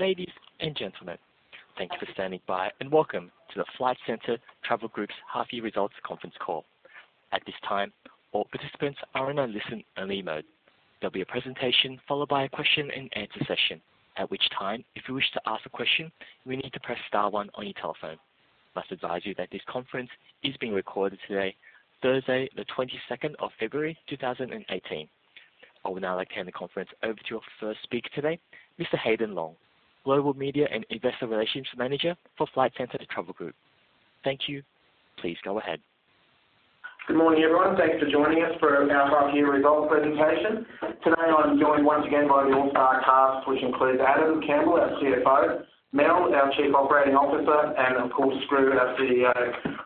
Ladies and gentlemen, thank you for standing by and welcome to the Flight Centre Travel Group's half-year results conference call. At this time, all participants are in a listen-only mode. There'll be a presentation followed by a question-and-answer session, at which time, if you wish to ask a question, you will need to press star one on your telephone. I must advise you that this conference is being recorded today, Thursday, the 22nd of February, 2018. I would now like to hand the conference over to our first speaker today, Mr. Haydn Long, Global Media and Investor Relations Manager for Flight Centre Travel Group. Thank you. Please go ahead. Good morning, everyone. Thanks for joining us for our half-year results presentation. Today, I'm joined once again by the all-star cast, which includes Adam Campbell, our CFO, Mel, our Chief Operating Officer, and, of course, Skroo, our CEO.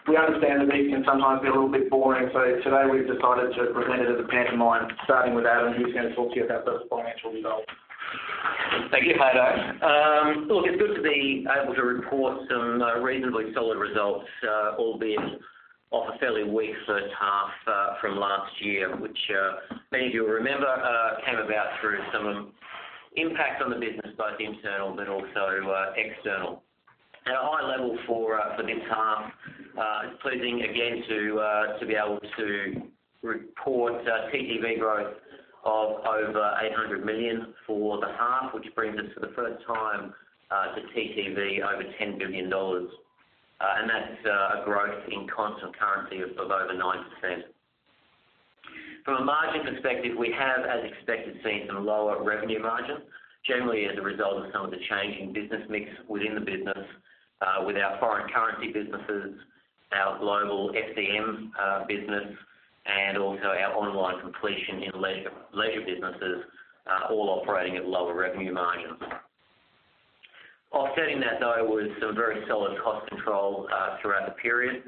We understand that these can sometimes be a little bit boring, so today we've decided to present it as a pantomime, starting with Adam, who's going to talk to you about the financial results. Thank you, Haydn. Look, it's good to be able to report some reasonably solid results, albeit off a fairly weak first half from last year, which many of you will remember came about through some impact on the business, both internal but also external. At a high level for this half, it's pleasing, again, to be able to report TTV growth of over 800 million for the half, which brings us for the first time to TTV over 10 billion dollars, and that's a growth in constant currency of over 9%. From a margin perspective, we have, as expected, seen some lower revenue margins, generally as a result of some of the changing business mix within the business, with our foreign currency businesses, our global FCM business, and also our online competition in leisure businesses, all operating at lower revenue margins. Offsetting that, though, was some very solid cost control throughout the period,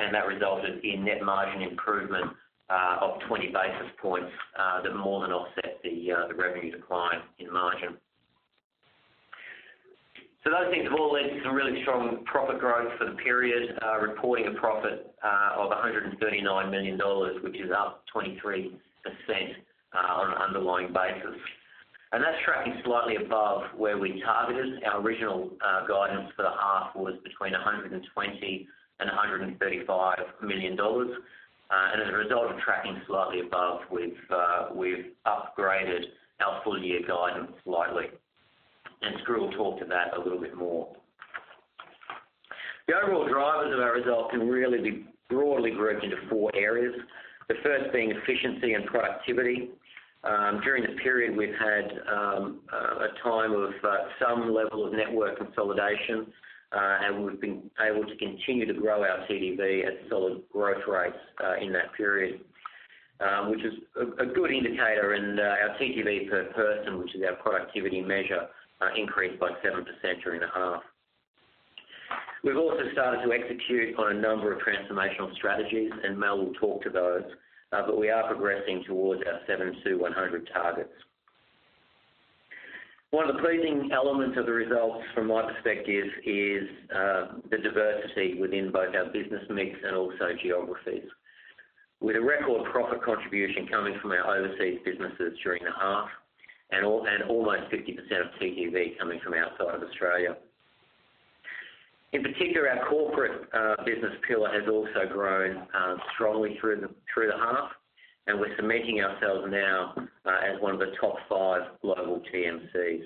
and that resulted in net margin improvement of 20 basis points that more than offset the revenue decline in margin. So those things have all led to some really strong profit growth for the period, reporting a profit of 139 million dollars, which is up 23% on an underlying basis. And that's tracking slightly above where we targeted. Our original guidance for the half was between 120 million and 135 million dollars, and as a result of tracking slightly above, we've upgraded our full-year guidance slightly. And Skroo will talk to that a little bit more. The overall drivers of our results can really be broadly grouped into four areas. The first being efficiency and productivity. During this period, we've had a time of some level of network consolidation, and we've been able to continue to grow our TTV at solid growth rates in that period, which is a good indicator, and our TTV per person, which is our productivity measure, increased by 7% during the half. We've also started to execute on a number of transformational strategies, and Mel will talk to those, but we are progressing towards our 7 to 100 targets. One of the pleasing elements of the results, from my perspective, is the diversity within both our business mix and also geographies, with a record profit contribution coming from our overseas businesses during the half and almost 50% of TTV coming from outside of Australia. In particular, our corporate business pillar has also grown strongly through the half, and we're cementing ourselves now as one of the top five global TMCs.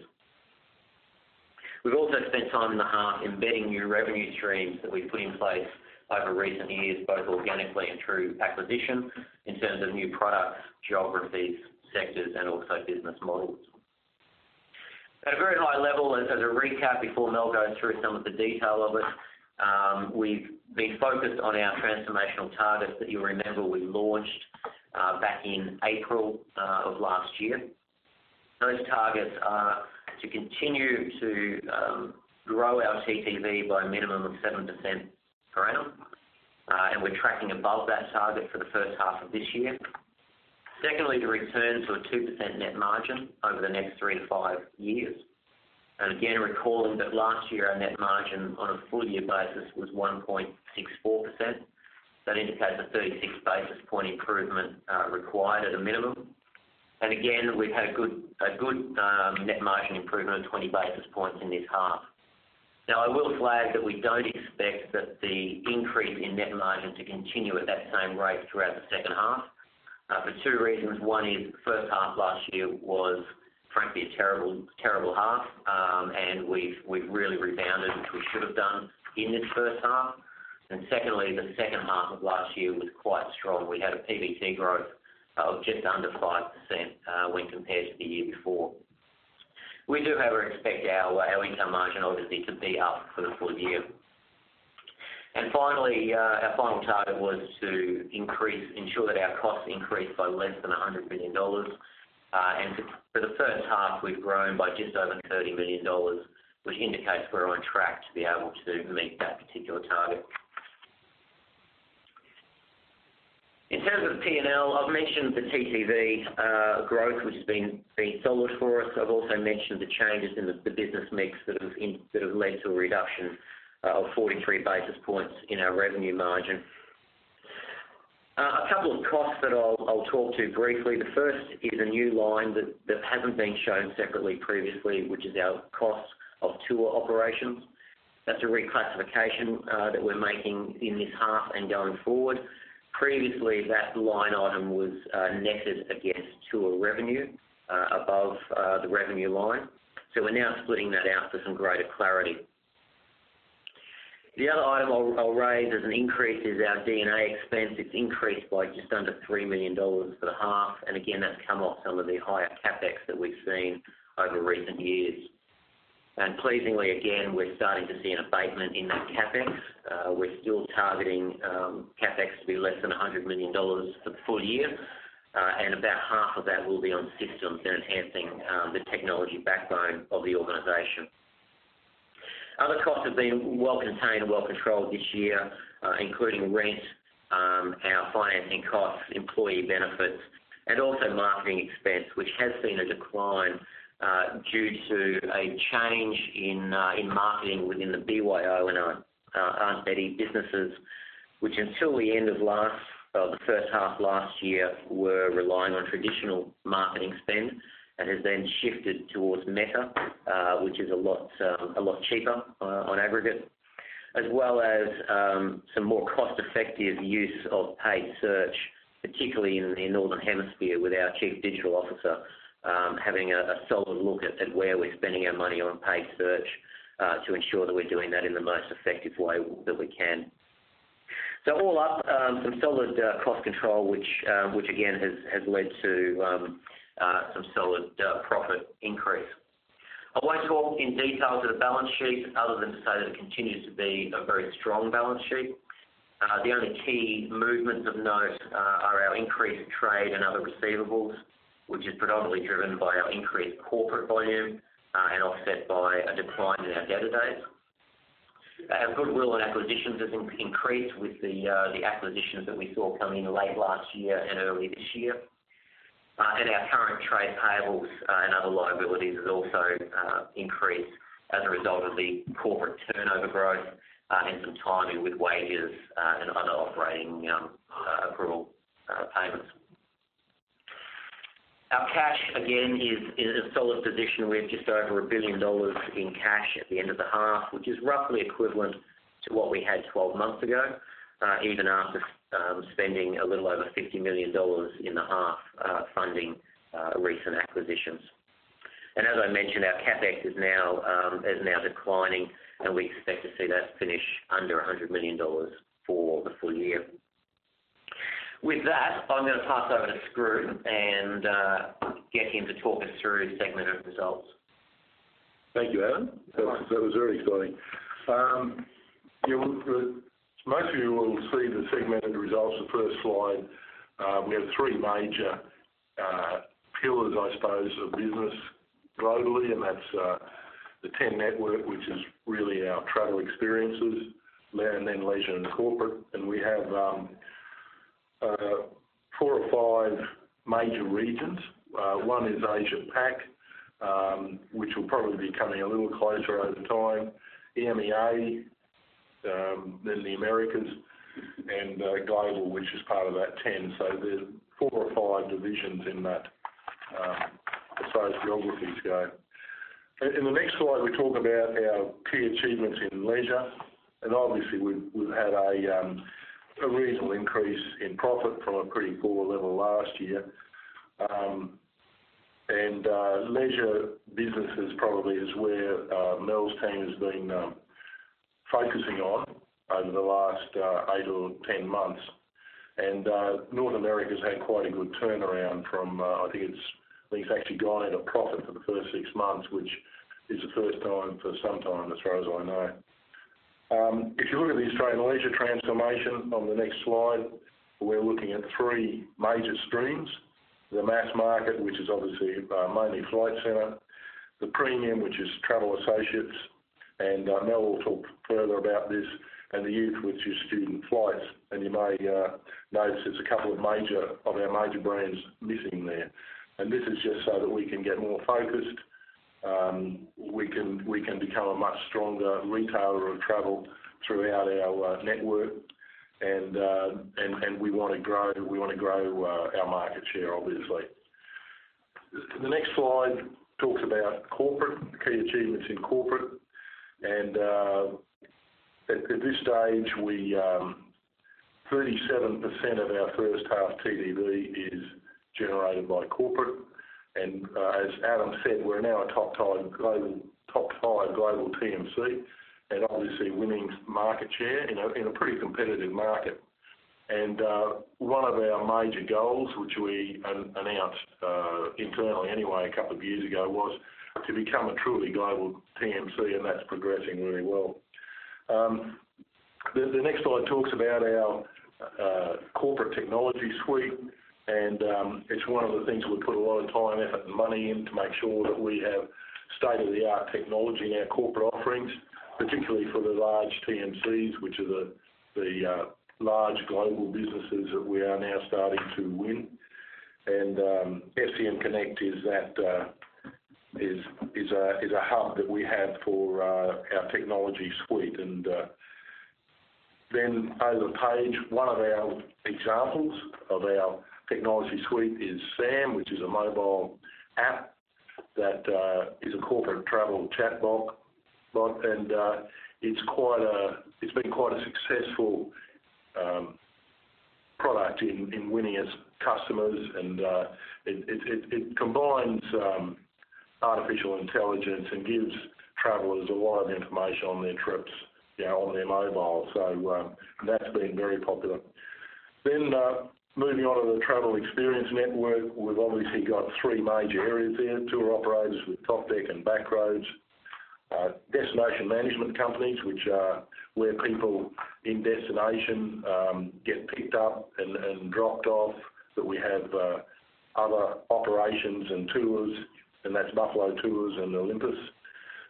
We've also spent time in the half embedding new revenue streams that we've put in place over recent years, both organically and through acquisition, in terms of new products, geographies, sectors, and also business models. At a very high level, as a recap before Mel goes through some of the detail of it, we've been focused on our transformational targets that you'll remember we launched back in April of last year. Those targets are to continue to grow our TTV by a minimum of 7% per annum, and we're tracking above that target for the first half of this year. Secondly, to return to a 2% net margin over the next three to five years, and again, recalling that last year our net margin on a full-year basis was 1.64%, that indicates a 36 basis points improvement required at a minimum. And again, we've had a good net margin improvement of 20 basis points in this half. Now, I will flag that we don't expect that the increase in net margin to continue at that same rate throughout the second half for two reasons. One is the first half last year was, frankly, a terrible half, and we've really rebounded, which we should have done in this first half. And secondly, the second half of last year was quite strong. We had a PBT growth of just under 5% when compared to the year before. We do, however, expect our income margin, obviously, to be up for the full year. Finally, our final target was to ensure that our costs increased by less than 100 million dollars, and for the first half, we've grown by just over 30 million dollars, which indicates we're on track to be able to meet that particular target. In terms of P&L, I've mentioned the TTV growth, which has been solid for us. I've also mentioned the changes in the business mix that have led to a reduction of 43 basis points in our revenue margin. A couple of costs that I'll talk to briefly. The first is a new line that hasn't been shown separately previously, which is our cost of tour operations. That's a reclassification that we're making in this half and going forward. Previously, that line item was netted against tour revenue above the revenue line, so we're now splitting that out for some greater clarity. The other item I'll raise as an increase is our D&A expense. It's increased by just under 3 million dollars for the half, and again, that's come off some of the higher CapEx that we've seen over recent years. Pleasingly, again, we're starting to see an abatement in that CapEx. We're still targeting CapEx to be less than 100 million dollars for the full year, and about half of that will be on systems and enhancing the technology backbone of the organization. Other costs have been well contained and well controlled this year, including rent, our financing costs, employee benefits, and also marketing expense, which has seen a decline due to a change in marketing within the BYO and Aunt Bett businesses, which until the end of last or the first half last year, were relying on traditional marketing spend and has then shifted towards meta, which is a lot cheaper on aggregate, as well as some more cost-effective use of paid search, particularly in the northern hemisphere with our Chief Digital Officer having a solid look at where we're spending our money on paid search to ensure that we're doing that in the most effective way that we can. So all up, some solid cost control, which again has led to some solid profit increase. I won't talk in detail to the balance sheet other than to say that it continues to be a very strong balance sheet. The only key movements of note are our increased trade and other receivables, which is predominantly driven by our increased corporate volume and offset by a decline in our database. Our goodwill on acquisitions has increased with the acquisitions that we saw come in late last year and early this year, and our current trade payables and other liabilities have also increased as a result of the corporate turnover growth and some timing with wages and other operating accrual payments. Our cash, again, is a solid position. We have just over $1 billion in cash at the end of the half, which is roughly equivalent to what we had 12 months ago, even after spending a little over $50 million in the half funding recent acquisitions. As I mentioned, our CapEx is now declining, and we expect to see that finish under 100 million dollars for the full year. With that, I'm going to pass over to Skroo and get him to talk us through segmented results. Thank you, Adam. That was very exciting. Most of you will see the segmented results of the first slide. We have three major pillars, I suppose, of business globally, and that's the TEN network, which is really our travel experiences, then leisure and corporate. And we have four or five major regions. One is Asia-Pac, which will probably be coming a little closer over time, EMEA, then the Americas, and global, which is part of that TEN. So there's four or five divisions in that as far as geographies go. In the next slide, we talk about our key achievements in leisure, and obviously, we've had a regional increase in profit from a pretty poor level last year. And leisure businesses probably is where Mel's team has been focusing on over the last eight or 10 months. North America's had quite a good turnaround from, I think it's actually gone out of profit for the first six months, which is the first time for some time, as far as I know. If you look at the Australian leisure transformation on the next slide, we're looking at three major streams: the mass market, which is obviously mainly Flight Centre, the premium, which is Travel Associates, and Mel will talk further about this, and the youth, which is Student Flights. You may notice there's a couple of our major brands missing there. This is just so that we can get more focused. We can become a much stronger retailer of travel throughout our network, and we want to grow our market share, obviously. The next slide talks about corporate, key achievements in corporate. And at this stage, 37% of our first half TTV is generated by corporate. And as Adam said, we're now a top five global TMC and obviously winning market share in a pretty competitive market. And one of our major goals, which we announced internally anyway a couple of years ago, was to become a truly global TMC, and that's progressing really well. The next slide talks about our corporate technology suite, and it's one of the things we put a lot of time, effort, and money into to make sure that we have state-of-the-art technology in our corporate offerings, particularly for the large TMCs, which are the large global businesses that we are now starting to win. And FCM Connect is a hub that we have for our technology suite. And then over the page, one of our examples of our technology suite is SAM, which is a mobile app that is a corporate travel chatbot, and it's been quite a successful product in winning us customers. And it combines artificial intelligence and gives travelers a lot of information on their trips on their mobile, so that's been very popular. Then moving on to the Travel Experience Network, we've obviously got three major areas here: tour operators with Topdeck and Back-Roads, destination management companies, which are where people in destination get picked up and dropped off, but we have other operations and tours, and that's Buffalo Tours and Olympus,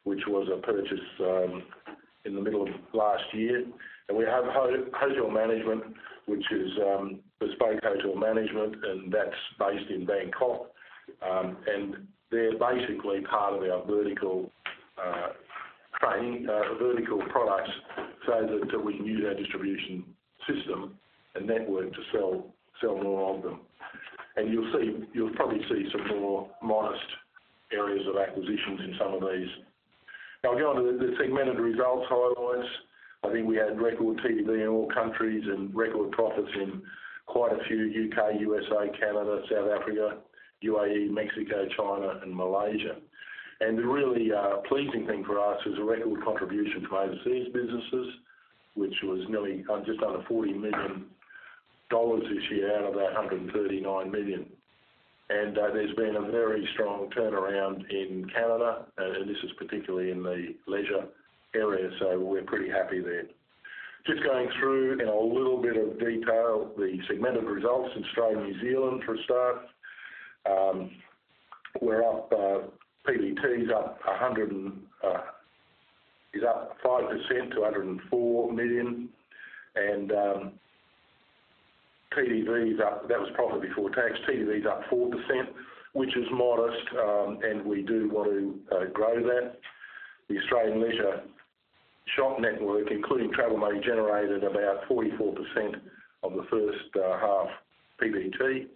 which was a purchase in the middle of last year. And we have hotel management, which is Bespoke Hotel Management, and that's based in Bangkok. They're basically part of our vertical products so that we can use our distribution system and network to sell more of them. And you'll probably see some more modest areas of acquisitions in some of these. Now, I'll go on to the segmented results highlights. I think we had record TTV in all countries and record profits in quite a few: UK, USA, Canada, South Africa, UAE, Mexico, China, and Malaysia. And the really pleasing thing for us is a record contribution from overseas businesses, which was just under 40 million dollars this year out of that 139 million. And there's been a very strong turnaround in Canada, and this is particularly in the leisure area, so we're pretty happy there. Just going through in a little bit of detail the segmented results in Australia, New Zealand for a start. PBT is up 5% to 104 million, and that was profit before tax. TTV is up 4%, which is modest, and we do want to grow that. The Australian leisure shop network, including travel, generated about 44% of the first half PBT.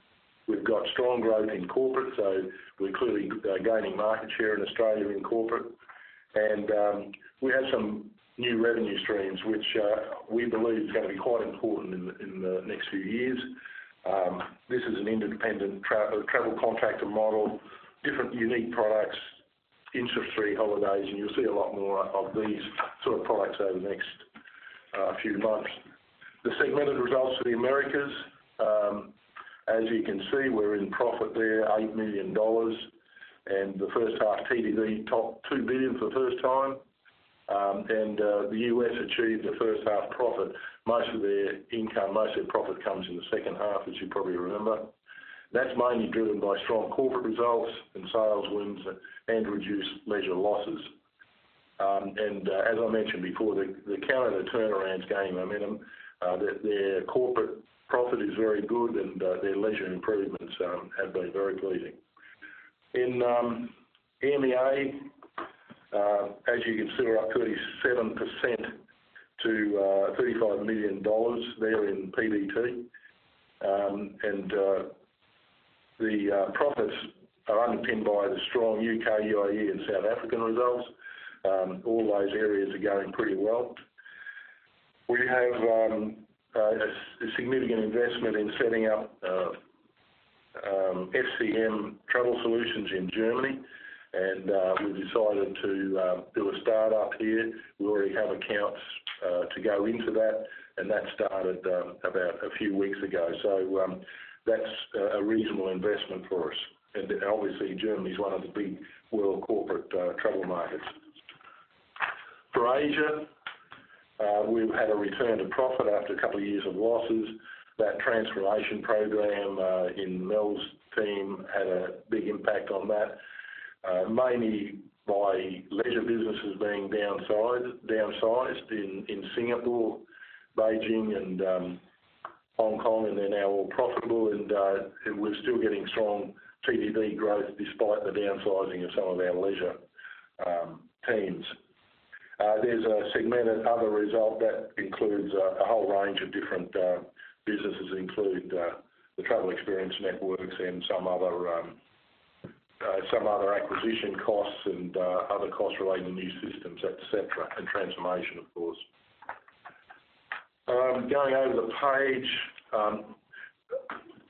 We've got strong growth in corporate, so we're clearly gaining market share in Australia in corporate. We have some new revenue streams, which we believe is going to be quite important in the next few years. This is an independent travel contractor model, different unique products, industry holidays, and you'll see a lot more of these sort of products over the next few months. The segmented results for the Americas, as you can see, we're in profit there, 8 million dollars, and the first half TTV topped 2 billion for the first time. The US achieved the first half profit. Most of their income, most of their profit comes in the second half, as you probably remember. That's mainly driven by strong corporate results and sales wins and reduced leisure losses. And as I mentioned before, the Canada turnaround's gaining momentum. Their corporate profit is very good, and their leisure improvements have been very pleasing. In EMEA, as you can see, we're up 37% to 35 million dollars there in PBT. And the profits are underpinned by the strong UK, UAE, and South African results. All those areas are going pretty well. We have a significant investment in setting up FCM Travel Solutions in Germany, and we've decided to do a start-up here. We already have accounts to go into that, and that started about a few weeks ago. So that's a reasonable investment for us. And obviously, Germany's one of the big world corporate travel markets. For Asia, we've had a return to profit after a couple of years of losses. That transformation program in Mel's team had a big impact on that, mainly by leisure businesses being downsized in Singapore, Beijing, and Hong Kong, and they're now all profitable. And we're still getting strong TTV growth despite the downsizing of some of our leisure teams. There's a segmented other result that includes a whole range of different businesses, including the Travel Experiences Network and some other acquisition costs and other cost-related new systems, etc., and transformation, of course. Going over the page,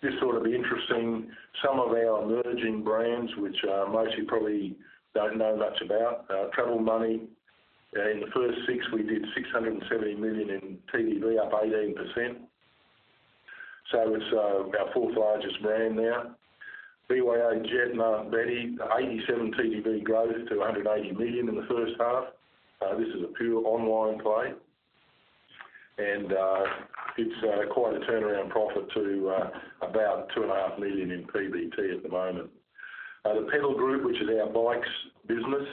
this will be interesting. Some of our emerging brands, which most of you probably don't know much about, Travel Money. In the first six, we did 670 million in TTV, up 18%. So it's our fourth largest brand now. BYOjet and Aunt Betty, 87% TTV growth to 180 million in the first half. This is a pure online play, and it's quite a turnaround profit to about 2.5 million in PBT at the moment. The Pedal Group, which is our bikes business,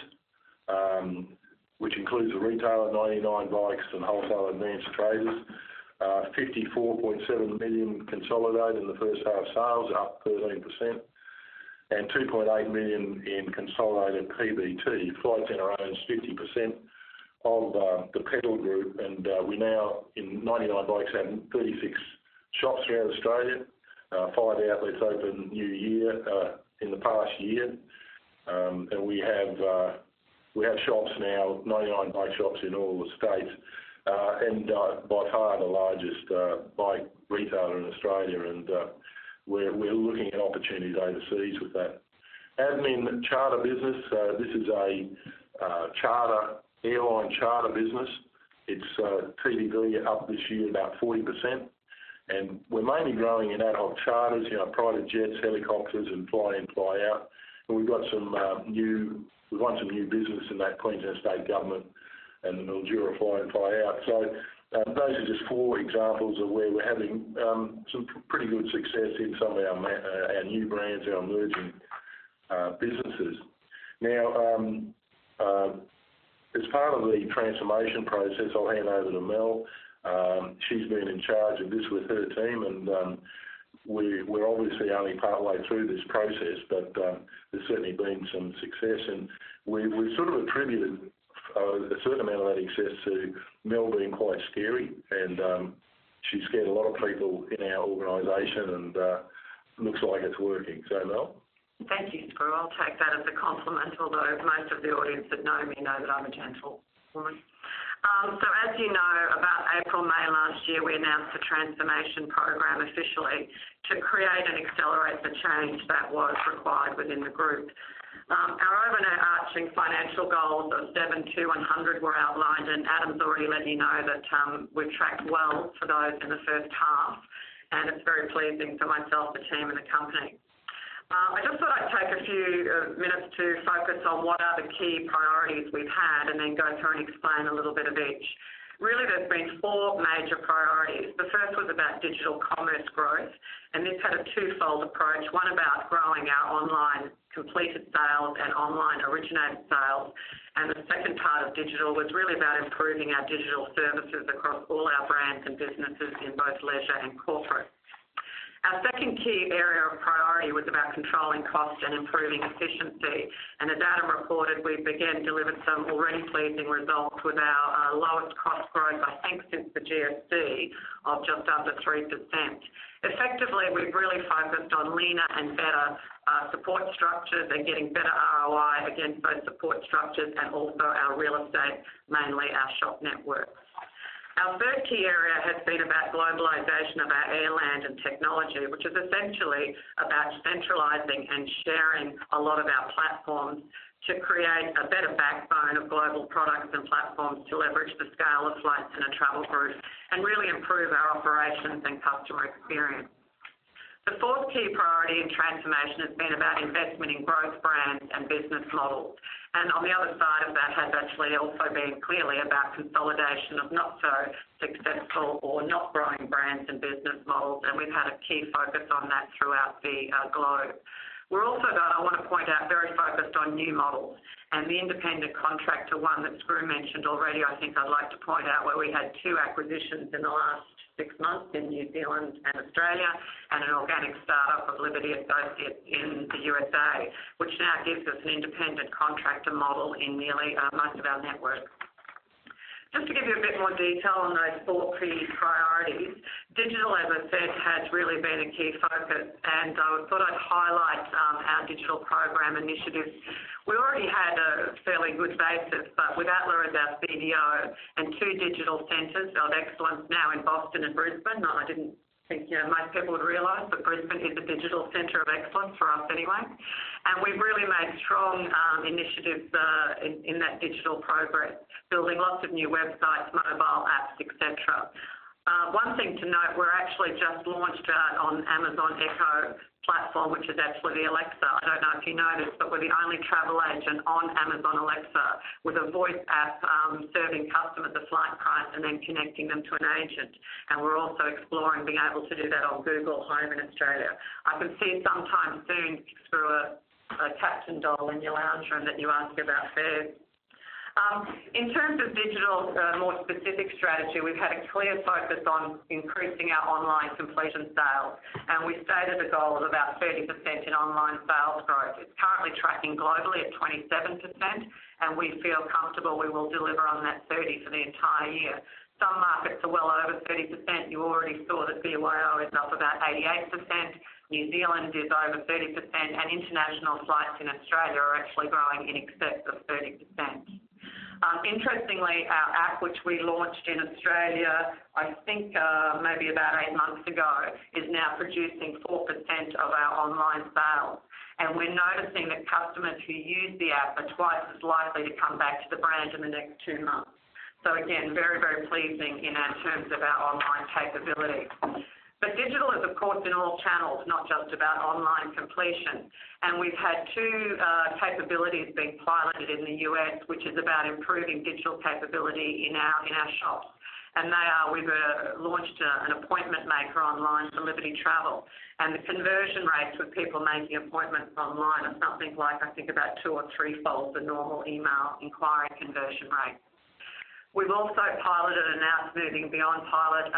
which includes the retailer, 99 Bikes, and wholesale Advance Traders, 54.7 million consolidated in the first half sales, up 13%, and 2.8 million in consolidated PBT. Flight Centre owns 50% of the Pedal Group. We now, in 99 Bikes, have 36 shops throughout Australia. Five outlets opened in the past year, and we have shops now, 99 Bikes shops in all the states, and by far the largest bike retailer in Australia. We're looking at opportunities overseas with that. Amin Charter Business, this is an airline charter business. It's TTV up this year about 40%. We're mainly growing in ad hoc charters, private jets, helicopters, and fly-in, fly-out. We've won some new business in the Queensland state government and the Mildura fly-in, fly-out. Those are just four examples of where we're having some pretty good success in some of our new brands, our emerging businesses. Now, as part of the transformation process, I'll hand over to Mel. She's been in charge of this with her team, and we're obviously only partway through this process, but there's certainly been some success. We've sort of attributed a certain amount of that success to Mel being quite scary, and she's scared a lot of people in our organization, and it looks like it's working. Mel? Thank you, Skroo. I'll take that as a compliment, although most of the audience that know me know that I'm a gentlewoman, so as you know, about April, May last year, we announced the transformation program officially to create and accelerate the change that was required within the group. Our overarching financial goals of 7 to 10 were outlined, and Adam's already let you know that we've tracked well for those in the first half, and it's very pleasing for myself, the team, and the company. I just thought I'd take a few minutes to focus on what are the key priorities we've had and then go through and explain a little bit of each. Really, there's been four major priorities. The first was about digital commerce growth, and this had a twofold approach: one about growing our online completed sales and online originated sales, and the second part of digital was really about improving our digital services across all our brands and businesses in both leisure and corporate. Our second key area of priority was about controlling cost and improving efficiency, and as Adam reported, we've again delivered some already pleasing results with our lowest cost growth, I think, since the GFC of just under 3%. Effectively, we've really focused on leaner and better support structures and getting better ROI against those support structures and also our real estate, mainly our shop networks. Our third key area has been about globalization of our air and land and technology, which is essentially about centralizing and sharing a lot of our platforms to create a better backbone of global products and platforms to leverage the scale of Flight Centre Travel Group and really improve our operations and customer experience. The fourth key priority in transformation has been about investment in growth brands and business models, and on the other side of that has actually also been clearly about consolidation of not-so-successful or not-growing brands and business models, and we've had a key focus on that throughout the globe. We're also going, I want to point out, very focused on new models, and the independent contractor one that Skroo mentioned already. I think I'd like to point out where we had two acquisitions in the last six months in New Zealand and Australia, and an organic start-up of Liberty Travel in the USA, which now gives us an independent contractor model in nearly most of our network. Just to give you a bit more detail on those four key priorities, digital, as I said, has really been a key focus, and I thought I'd highlight our digital program initiatives. We already had a fairly good basis, but with Atle as our CDO and two digital centers of excellence now in Boston and Brisbane, and I didn't think most people would realize, but Brisbane is a digital center of excellence for us anyway, and we've really made strong initiatives in that digital progress, building lots of new websites, mobile apps, etc. One thing to note, we're actually just launched on Amazon Echo platform, which is actually the Alexa. I don't know if you know this, but we're the only travel agent on Amazon Alexa with a voice app serving customers a flight price and then connecting them to an agent, and we're also exploring being able to do that on Google Home in Australia. I can see sometime soon, Skroo, a Captain Doll in your lounge room that you ask about fares. In terms of digital, a more specific strategy, we've had a clear focus on increasing our online completion sales, and we stated a goal of about 30% in online sales growth. It's currently tracking globally at 27%, and we feel comfortable we will deliver on that 30% for the entire year. Some markets are well over 30%. You already saw that BYO is up about 88%. New Zealand is over 30%, and international flights in Australia are actually growing in excess of 30%. Interestingly, our app, which we launched in Australia, I think maybe about eight months ago, is now producing 4% of our online sales, and we're noticing that customers who use the app are twice as likely to come back to the brand in the next two months. So again, very, very pleasing in terms of our online capability. But digital is, of course, in all channels, not just about online completion. And we've had two capabilities being piloted in the U.S., which is about improving digital capability in our shops. And we've launched an appointment maker online for Liberty Travel, and the conversion rates with people making appointments online are something like, I think, about two or three-fold the normal email inquiry conversion rate. We've also piloted, and now it's moving beyond pilot,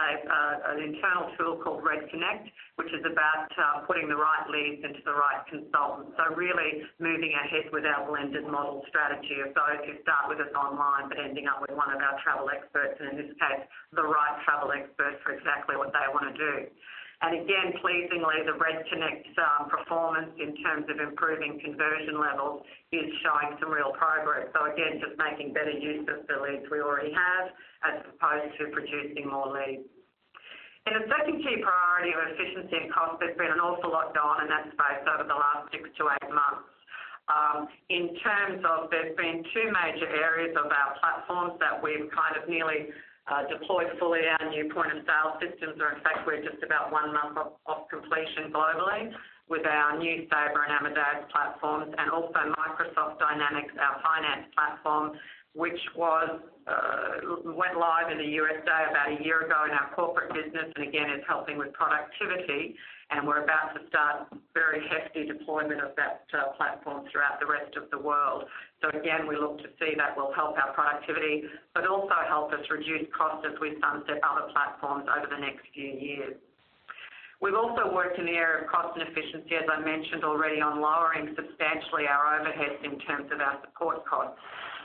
an internal tool called Red Connect, which is about putting the right leads into the right consultants. So really moving ahead with our blended model strategy of those who start with us online but ending up with one of our travel experts, and in this case, the right travel expert for exactly what they want to do. And again, pleasingly, the Red Connect performance in terms of improving conversion levels is showing some real progress. So again, just making better use of the leads we already have as opposed to producing more leads. In a second key priority of efficiency and cost, there's been an awful lot going on in that space over the last six to eight months. In terms of, there's been two major areas of our platforms that we've kind of nearly deployed fully our new point of sale systems, or in fact, we're just about one month off completion globally with our new Sabre and Amadeus platforms, and also Microsoft Dynamics, our finance platform, which went live in the USA about a year ago in our corporate business and again is helping with productivity, and we're about to start very hefty deployment of that platform throughout the rest of the world. So again, we look to see that will help our productivity but also help us reduce costs as we sunset other platforms over the next few years. We've also worked in the area of cost and efficiency, as I mentioned already, on lowering substantially our overheads in terms of our support costs.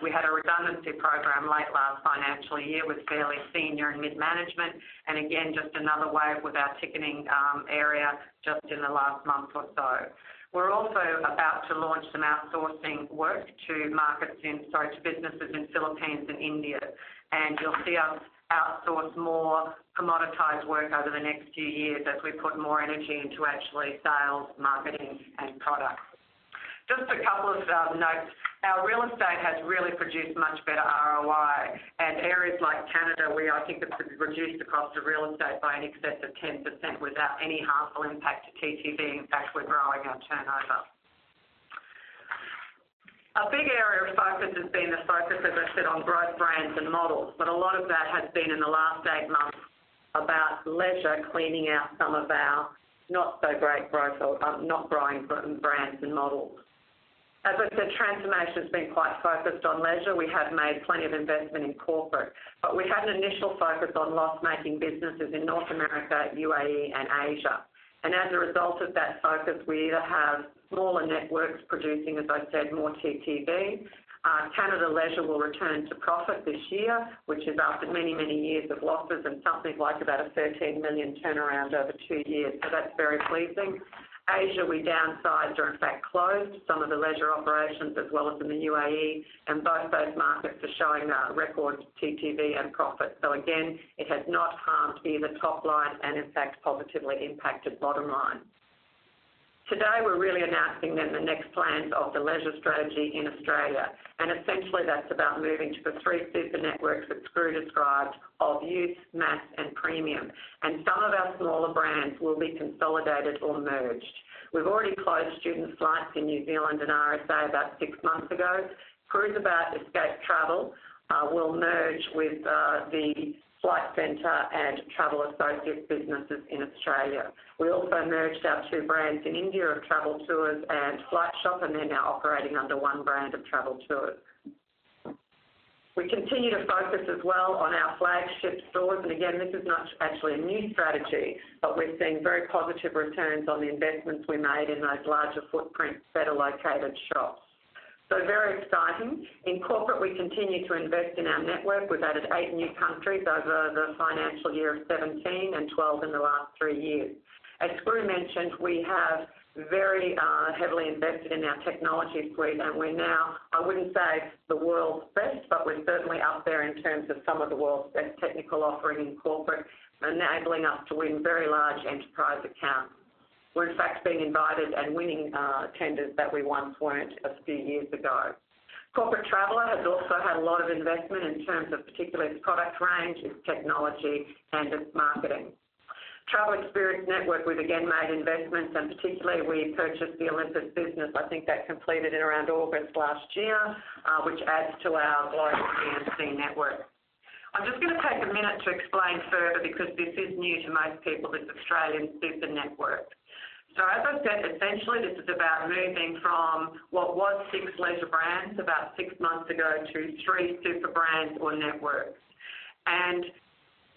We had a redundancy program late last financial year with fairly senior and mid-management, and again, just another wave with our ticketing area just in the last month or so. We're also about to launch some outsourcing work to markets in, sorry, to businesses in the Philippines and India, and you'll see us outsource more commoditized work over the next few years as we put more energy into actually sales, marketing, and products. Just a couple of notes. Our real estate has really produced much better ROI, and areas like Canada, where I think it's reduced the cost of real estate by an excess of 10% without any harmful impact to TTV. In fact, we're growing our turnover. A big area of focus has been the focus, as I said, on growth brands and models, but a lot of that has been in the last eight months about leisure, cleaning out some of our not-so-great growth or not-growing brands and models. As I said, transformation has been quite focused on leisure. We have made plenty of investment in corporate, but we had an initial focus on loss-making businesses in North America, UAE, and Asia. And as a result of that focus, we either have smaller networks producing, as I said, more TTV. Canada leisure will return to profit this year, which is after many, many years of losses and something like about 13 million turnaround over two years, so that's very pleasing. Asia, we downsized or, in fact, closed some of the leisure operations as well as in the UAE, and both those markets are showing record TTV and profits, so again, it has not harmed either top line and, in fact, positively impacted bottom line. Today, we're really announcing then the next plans of the leisure strategy in Australia, and essentially, that's about moving to the three super networks that Skroo described of youth, mass, and premium, and some of our smaller brands will be consolidated or merged. We've already closed Student Flights in New Zealand and RSA about six months ago. Skroo's about Escape Travel. We'll merge with the Flight Centre and Travel Associates businesses in Australia. We also merged our two brands in India of Travel Tours and Flight Shop, and they're now operating under one brand of Travel Tours. We continue to focus as well on our flagship stores, and again, this is not actually a new strategy, but we've seen very positive returns on the investments we made in those larger footprint, better located shops, so very exciting. In corporate, we continue to invest in our network. We've added eight new countries over the financial year of 2017 and 2018 in the last three years. As Skroo mentioned, we have very heavily invested in our technology suite, and we're now, I wouldn't say the world's best, but we're certainly up there in terms of some of the world's best technical offering in corporate, enabling us to win very large enterprise accounts. We're, in fact, being invited and winning tenders that we once weren't a few years ago. Corporate Traveller has also had a lot of investment in terms of particularly its product range, its technology, and its marketing. Travel Experiences Network, we've again made investments, and particularly, we purchased the Olympus business. I think that completed in around August last year, which adds to our global DMC network. I'm just going to take a minute to explain further because this is new to most people. It's Australian super networks. So, as I said, essentially, this is about moving from what was six leisure brands about six months ago to three super brands or networks, and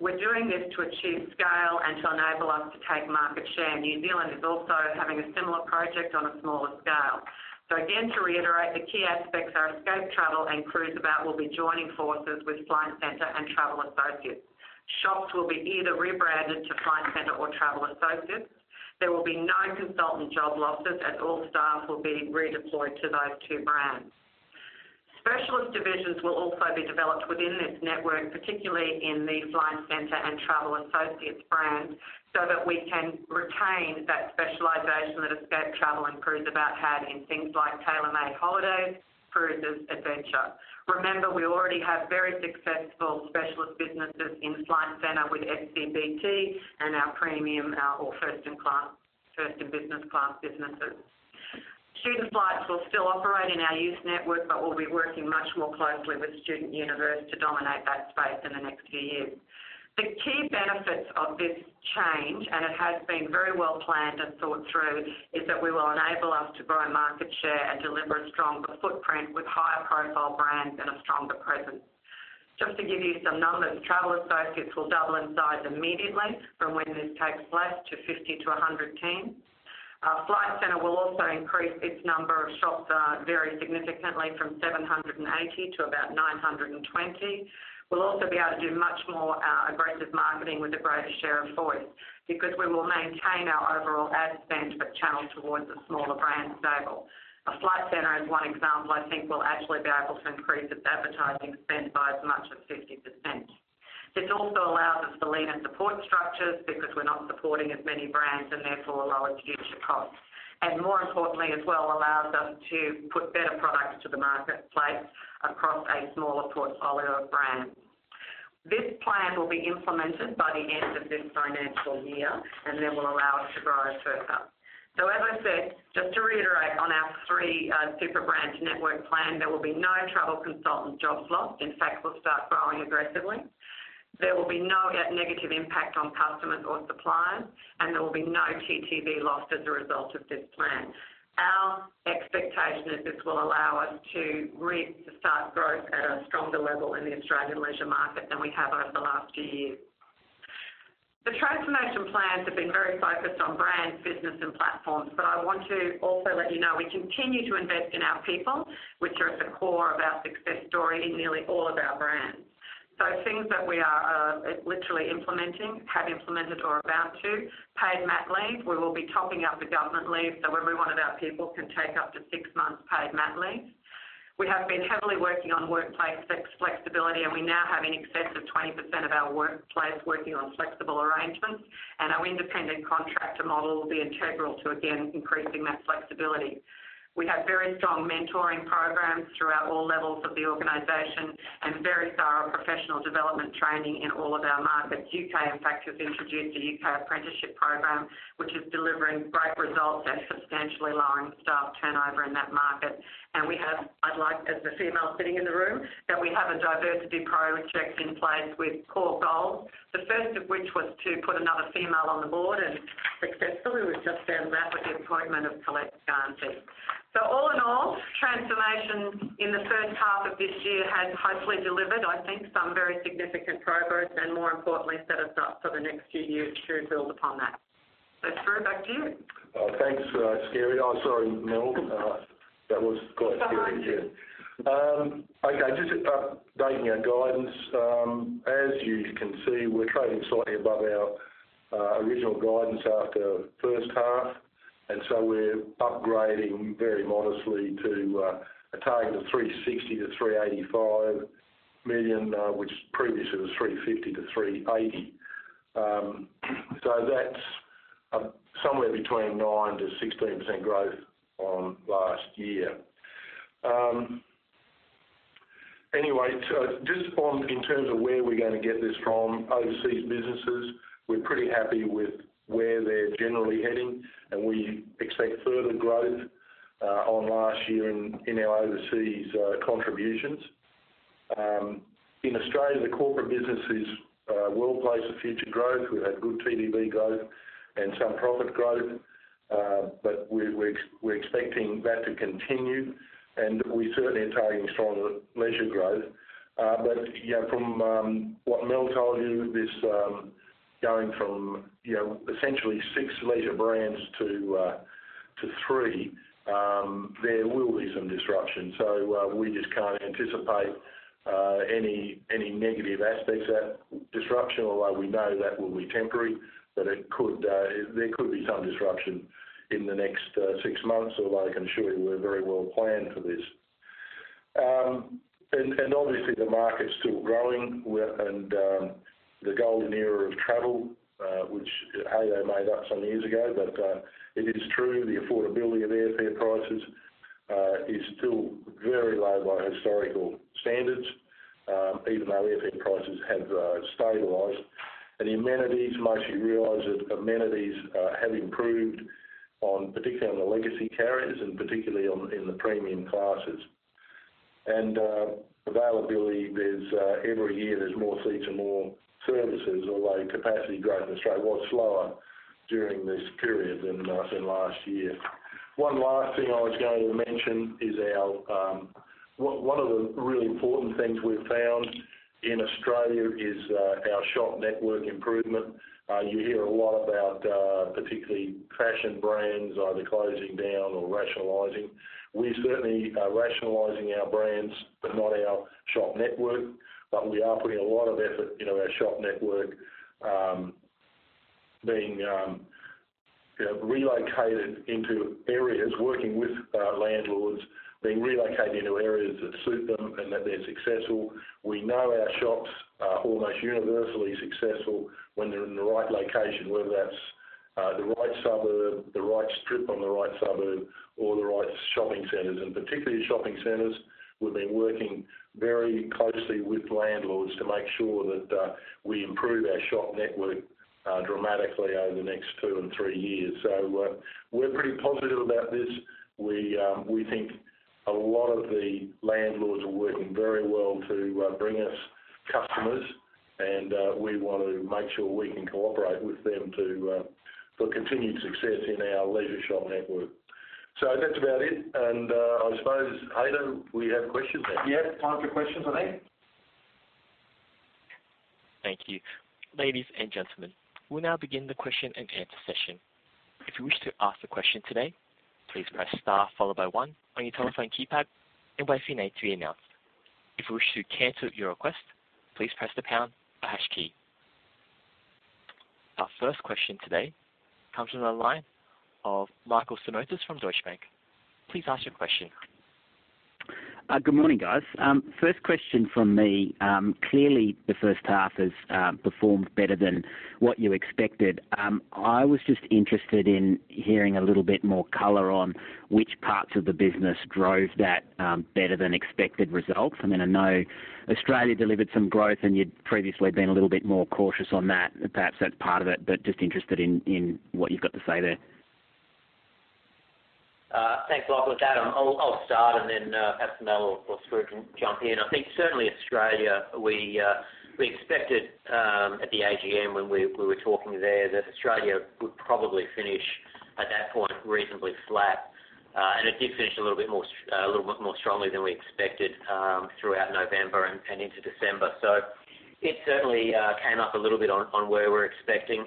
we're doing this to achieve scale and to enable us to take market share. New Zealand is also having a similar project on a smaller scale. So again, to reiterate, the key aspects are Escape Travel and Cruiseabout. We'll be joining forces with Flight Centre and Travel Associates. Shops will be either rebranded to Flight Centre or Travel Associates. There will be no consultant job losses as all staff will be redeployed to those two brands. Specialist divisions will also be developed within this network, particularly in the Flight Centre and Travel Associates brands, so that we can retain that specialization that Escape Travel and Cruiseabout had in things like tailor-made holidays, cruises, adventure. Remember, we already have very successful specialist businesses in Flight Centre with FCBT and our premium or first-in-class, first-in-business-class businesses. Student Flights will still operate in our youth network, but we'll be working much more closely with Student Universe to dominate that space in the next few years. The key benefits of this change, and it has been very well planned and thought through, is that we will enable us to grow market share and deliver a stronger footprint with higher profile brands and a stronger presence. Just to give you some numbers, Travel Associates will double in size immediately from 50 to 110 when this takes place. Flight Centre will also increase its number of shops very significantly from 780 to about 920. We'll also be able to do much more aggressive marketing with a greater share of voice because we will maintain our overall ad spend but channel towards a smaller brand stable. Flight Centre, as one example, I think, will actually be able to increase its advertising spend by as much as 50%. This also allows us the leaner support structures because we're not supporting as many brands and therefore lower future costs, and more importantly, as well, allows us to put better products to the marketplace across a smaller portfolio of brands. This plan will be implemented by the end of this financial year, and then we'll allow us to grow further. So, as I said, just to reiterate, on our three super brands network plan, there will be no travel consultant jobs lost. In fact, we'll start growing aggressively. There will be no negative impact on customers or suppliers, and there will be no TTV lost as a result of this plan. Our expectation is this will allow us to start growth at a stronger level in the Australian leisure market than we have over the last few years. The transformation plans have been very focused on brands, business, and platforms, but I want to also let you know we continue to invest in our people, which are at the core of our success story in nearly all of our brands. So things that we are literally implementing, have implemented, or about to: paid mat leave. We will be topping up the government leave so every one of our people can take up to six months paid mat leave. We have been heavily working on workplace flexibility, and we now have in excess of 20% of our workplace working on flexible arrangements, and our independent contractor model will be integral to, again, increasing that flexibility. We have very strong mentoring programs throughout all levels of the organization and very thorough professional development training in all of our markets. U.K., in fact, has introduced a U.K. apprenticeship program, which is delivering great results and substantially lowering staff turnover in that market, and we have, I'd like, as the female sitting in the room, that we have a diversity project in place with core goals, the first of which was to put another female on the board, and successfully we've just found that with the appointment of Colette Garnsey. So all in all, transformation in the first half of this year has hopefully delivered, I think, some very significant progress and, more importantly, set us up for the next few years to build upon that. So, Skroo, back to you. Thanks, Skirry, oh, sorry, Mel, that was quite a scary year. Okay, just updating our guidance. As you can see, we're trading slightly above our original guidance after first half, and so we're upgrading very modestly to a target of 360-385 million, which previously was 350-380 million. So that's somewhere between 9%-16% growth on last year. Anyway, just in terms of where we're going to get this from overseas businesses, we're pretty happy with where they're generally heading, and we expect further growth on last year in our overseas contributions. In Australia, the corporate businesses will place a future growth. We've had good TTV growth and some profit growth, but we're expecting that to continue, and we certainly are targeting strong leisure growth. But from what Mel told you, this going from essentially six leisure brands to three, there will be some disruption, so we just can't anticipate any negative aspects of that disruption, although we know that will be temporary, but there could be some disruption in the next six months, although I can assure you we're very well planned for this. And obviously, the market's still growing, and the golden era of travel, which AJ made up some years ago, but it is true the affordability of airfare prices is still very low by historical standards, even though airfare prices have stabilized. And amenities, most of you realize that amenities have improved, particularly on the legacy carriers and particularly in the premium classes. And availability, every year there's more seats and more services, although capacity growth in Australia was slower during this period than last year. One last thing I was going to mention is one of the really important things we've found in Australia is our shop network improvement. You hear a lot about particularly fashion brands either closing down or rationalizing. We're certainly rationalizing our brands but not our shop network, but we are putting a lot of effort into our shop network, being relocated into areas, working with landlords, being relocated into areas that suit them and that they're successful. We know our shops are almost universally successful when they're in the right location, whether that's the right suburb, the right strip on the right suburb, or the right shopping centers, and particularly shopping centers, we've been working very closely with landlords to make sure that we improve our shop network dramatically over the next two and three years, so we're pretty positive about this. We think a lot of the landlords are working very well to bring us customers, and we want to make sure we can cooperate with them for continued success in our leisure shop network. So that's about it, and I suppose, Adam, we have questions now. Yes, time for questions, I think. Thank you. Ladies and gentlemen, we'll now begin the question and answer session. If you wish to ask a question today, please press star followed by one on your telephone keypad and wait for your name to be announced. If you wish to cancel your request, please press the pound or hash key. Our first question today comes from the line of Michael Simotas from Deutsche Bank. Please ask your question. Good morning, guys. First question from me. Clearly, the first half has performed better than what you expected. I was just interested in hearing a little bit more color on which parts of the business drove that better-than-expected result. I mean, I know Australia delivered some growth, and you'd previously been a little bit more cautious on that. Perhaps that's part of it, but just interested in what you've got to say there. Thanks, Michael. With Adam, I'll start, and then perhaps Mel or Skroo can jump in. I think certainly Australia, we expected at the AGM when we were talking there that Australia would probably finish at that point reasonably flat, and it did finish a little bit more strongly than we expected throughout November and December. So it certainly came up a little bit on where we're expecting.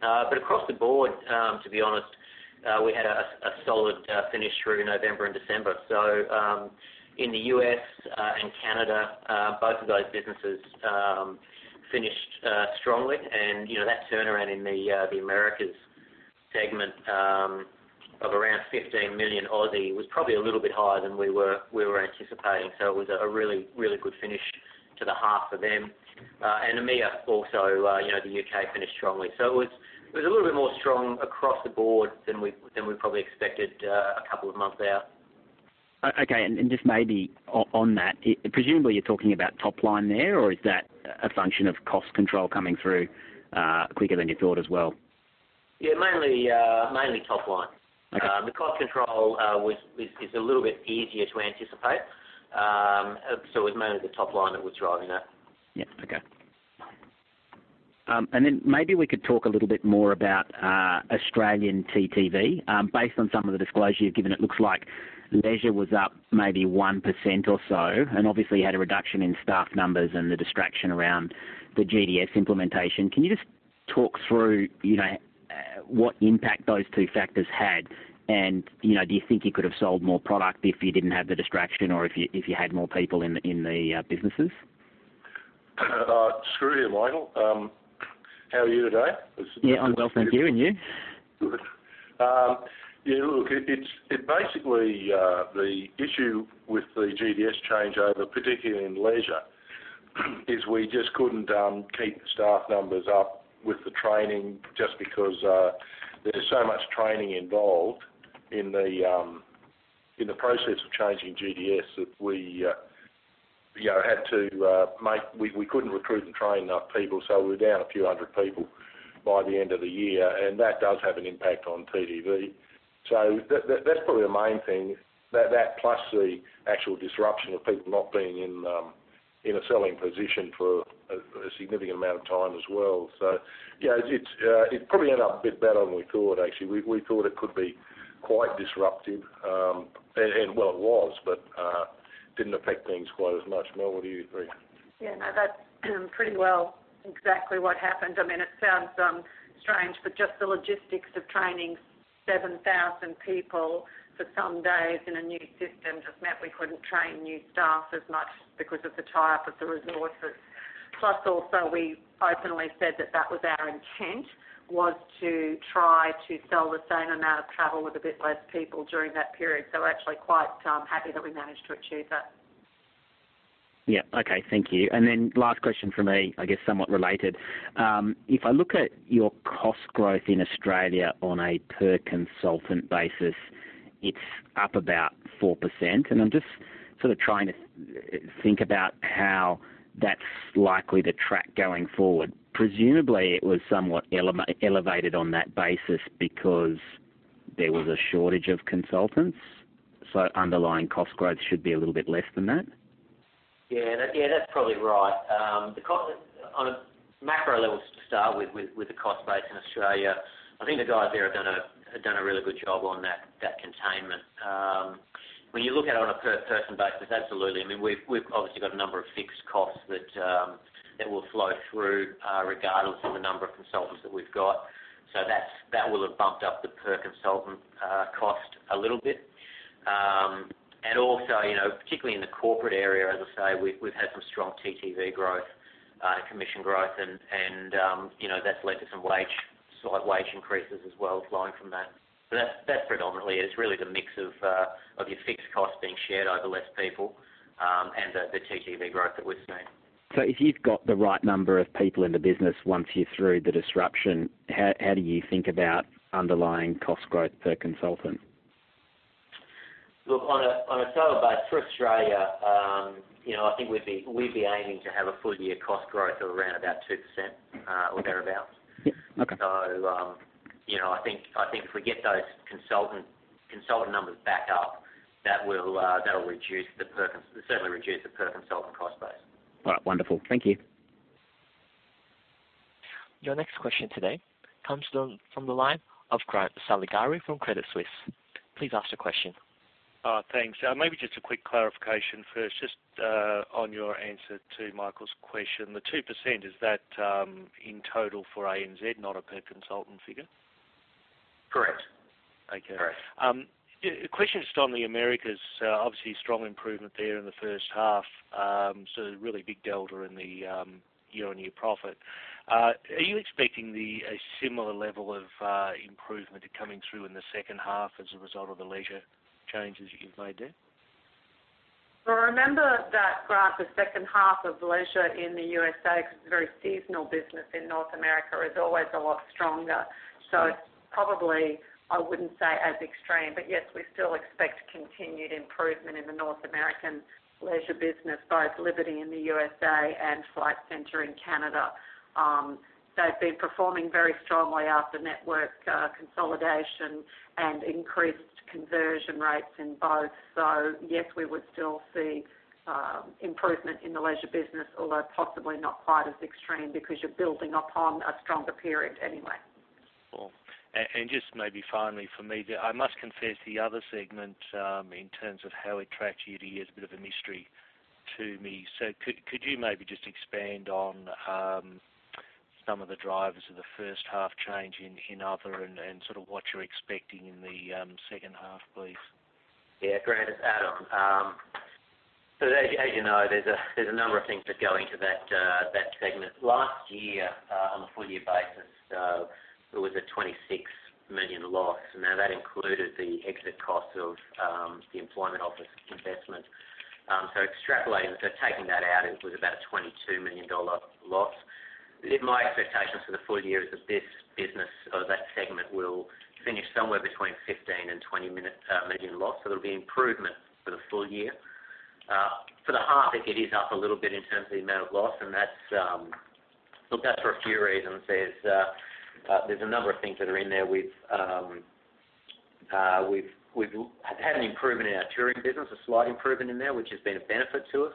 But across the board, to be honest, we had a solid finish through November and December. In the U.S. and Canada, both of those businesses finished strongly, and that turnaround in the Americas segment of around 15 million was probably a little bit higher than we were anticipating. It was a really, really good finish to the half for them. EMEA also, the U.K., finished strongly. It was a little bit more strong across the board than we probably expected a couple of months out. Okay. Just maybe on that, presumably you're talking about top line there, or is that a function of cost control coming through quicker than you thought as well? Yeah, mainly top line. The cost control is a little bit easier to anticipate, so it was mainly the top line that was driving that. Yeah. Okay. Then maybe we could talk a little bit more about Australian TTV. Based on some of the disclosure you've given, it looks like leisure was up maybe 1% or so, and obviously had a reduction in staff numbers and the distraction around the GDS implementation. Can you just talk through what impact those two factors had, and do you think you could have sold more product if you didn't have the distraction or if you had more people in the businesses? Skroo here, Michael. How are you today? Yeah, I'm well, thank you. And you? Good. Yeah, look, basically the issue with the GDS changeover, particularly in leisure, is we just couldn't keep staff numbers up with the training just because there's so much training involved in the process of changing GDS that we had to make. We couldn't recruit and train enough people, so we were down a few hundred people by the end of the year, and that does have an impact on TTV. So that's probably the main thing, that plus the actual disruption of people not being in a selling position for a significant amount of time as well. So it probably ended up a bit better than we thought, actually. We thought it could be quite disruptive, and well, it was, but didn't affect things quite as much. Mel, what do you think? Yeah, no, that's pretty well exactly what happened. I mean, it sounds strange, but just the logistics of training 7,000 people for some days in a new system just meant we couldn't train new staff as much because of the tie-up of the resources. Plus, also, we openly said that that was our intent, was to try to sell the same amount of travel with a bit less people during that period. So actually quite happy that we managed to achieve that. Yeah. Okay. Thank you. And then last question from me, I guess somewhat related. If I look at your cost growth in Australia on a per-consultant basis, it's up about 4%, and I'm just sort of trying to think about how that's likely to track going forward. Presumably, it was somewhat elevated on that basis because there was a shortage of consultants, so underlying cost growth should be a little bit less than that. Yeah. Yeah, that's probably right. On a macro level, to start with, with the cost base in Australia, I think the guys there have done a really good job on that containment. When you look at it on a per-person basis, absolutely. I mean, we've obviously got a number of fixed costs that will flow through regardless of the number of consultants that we've got, so that will have bumped up the per-consultant cost a little bit. And also, particularly in the corporate area, as I say, we've had some strong TTV growth, commission growth, and that's led to some slight wage increases as well flowing from that. But that's predominantly it. It's really the mix of your fixed costs being shared over less people and the TTV growth that we've seen. So if you've got the right number of people in the business once you're through the disruption, how do you think about underlying cost growth per consultant? Look, on a sales base for Australia, I think we'd be aiming to have a full-year cost growth of around about 2% or thereabouts. So I think if we get those consultant numbers back up, that'll certainly reduce the per-consultant cost base. All right. Wonderful. Thank you. Your next question today comes from the line of Saligari from Credit Suisse. Please ask your question. Thanks. Maybe just a quick clarification first, just on your answer to Michael's question. The 2%, is that in total for ANZ, not a per-consultant figure? Correct. Okay. The question is on the Americas. Obviously, strong improvement there in the first half, so really big delta in the year-on-year profit. Are you expecting a similar level of improvement coming through in the second half as a result of the leisure changes that you've made there? Well, remember that graph, the second half of leisure in the USA, because it's a very seasonal business in North America, is always a lot stronger. So it's probably, I wouldn't say as extreme, but yes, we still expect continued improvement in the North American leisure business, both Liberty in the USA and Flight Centre in Canada. They've been performing very strongly after network consolidation and increased conversion rates in both. So yes, we would still see improvement in the leisure business, although possibly not quite as extreme because you're building upon a stronger period anyway. Cool. Just maybe finally for me, I must confess the other segment in terms of how it tracks year to year is a bit of a mystery to me. So could you maybe just expand on some of the drivers of the first half change in other and sort of what you're expecting in the second half, please? Yeah. Great. Adam, so as you know, there's a number of things that go into that segment. Last year, on a full-year basis, there was a 26 million loss, and now that included the exit cost of the Employment Office investment. So extrapolating, so taking that out, it was about a 22 million dollar loss. My expectations for the full year is that this business, or that segment, will finish somewhere between 15 million and 20 million loss, so there'll be improvement for the full year. For the half, it is up a little bit in terms of the amount of loss, and look, that's for a few reasons. There's a number of things that are in there. We've had an improvement in our touring business, a slight improvement in there, which has been a benefit to us,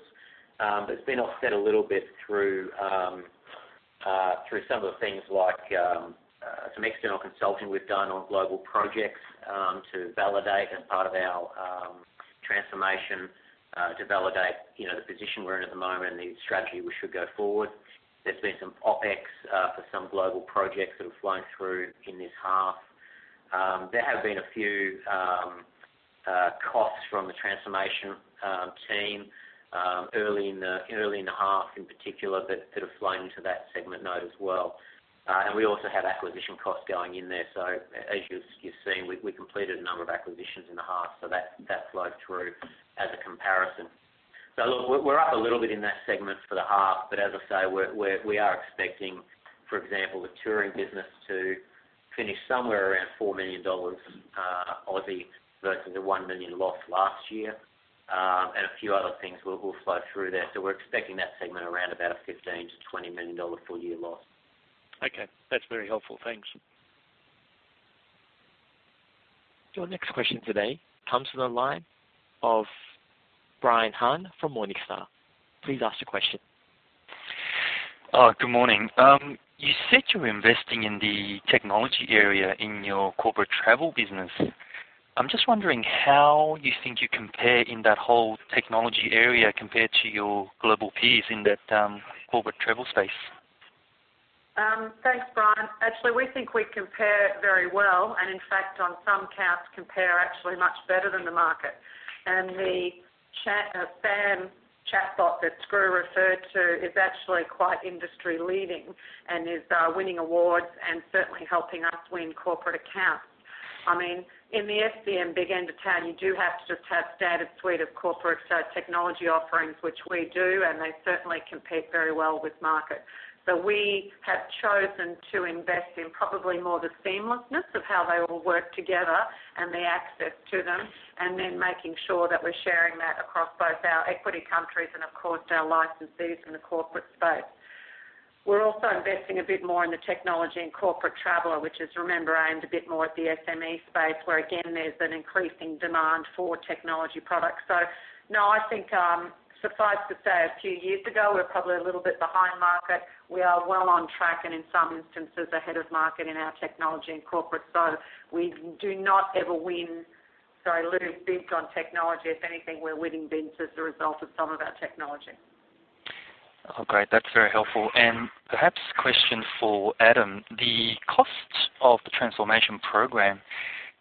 but it's been offset a little bit through some of the things like some external consulting we've done on global projects to validate as part of our transformation, to validate the position we're in at the moment and the strategy we should go forward. There's been some OpEx for some global projects that have flowed through in this half. There have been a few costs from the transformation team early in the half in particular that have flowed into that segment now as well. And we also have acquisition costs going in there. So as you've seen, we completed a number of acquisitions in the half, so that flowed through as a comparison. So look, we're up a little bit in that segment for the half, but as I say, we are expecting, for example, the touring business to finish somewhere around 4 million Aussie dollars versus a 1 million loss last year, and a few other things will flow through there. So we're expecting that segment around about a 15 million-20 million dollar full-year loss. Okay. That's very helpful. Thanks. Your next question today comes from the line of Brian Han from Morningstar. Please ask your question. Good morning. You said you're investing in the technology area in your corporate travel business. I'm just wondering how you think you compare in that whole technology area compared to your global peers in that corporate travel space. Thanks, Brian. Actually, we think we compare very well, and in fact, on some counts, compare actually much better than the market. And the Sam chatbot that Skroo referred to is actually quite industry-leading and is winning awards and certainly helping us win corporate accounts. I mean, in the SME, Big End of Town, you do have to just have a standard suite of corporate technology offerings, which we do, and they certainly compete very well with market. So we have chosen to invest in probably more the seamlessness of how they all work together and the access to them, and then making sure that we're sharing that across both our equity countries and, of course, our licensees in the corporate space. We're also investing a bit more in the technology and Corporate Traveller, which is, remember, aimed a bit more at the SME space, where again, there's an increasing demand for technology products. So no, I think suffice to say a few years ago, we're probably a little bit behind market. We are well on track and in some instances ahead of market in our technology and corporate, so we do not ever win or lose big on technology. If anything, we're winning bids as a result of some of our technology. All right. That's very helpful. And perhaps question for Adam, the cost of the transformation program,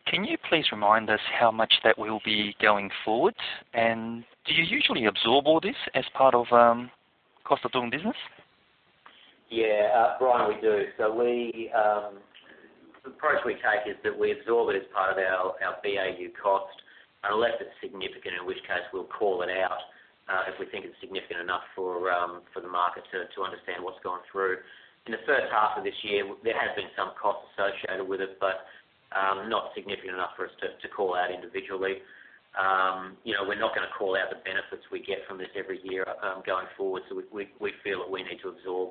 can you please remind us how much that will be going forward, and do you usually absorb all this as part of cost of doing business? Yeah. Brian, we do. So the approach we take is that we absorb it as part of our BAU cost unless it's significant, in which case we'll call it out if we think it's significant enough for the market to understand what's going through. In the first half of this year, there has been some cost associated with it, but not significant enough for us to call out individually. We're not going to call out the benefits we get from this every year going forward, so we feel that we need to absorb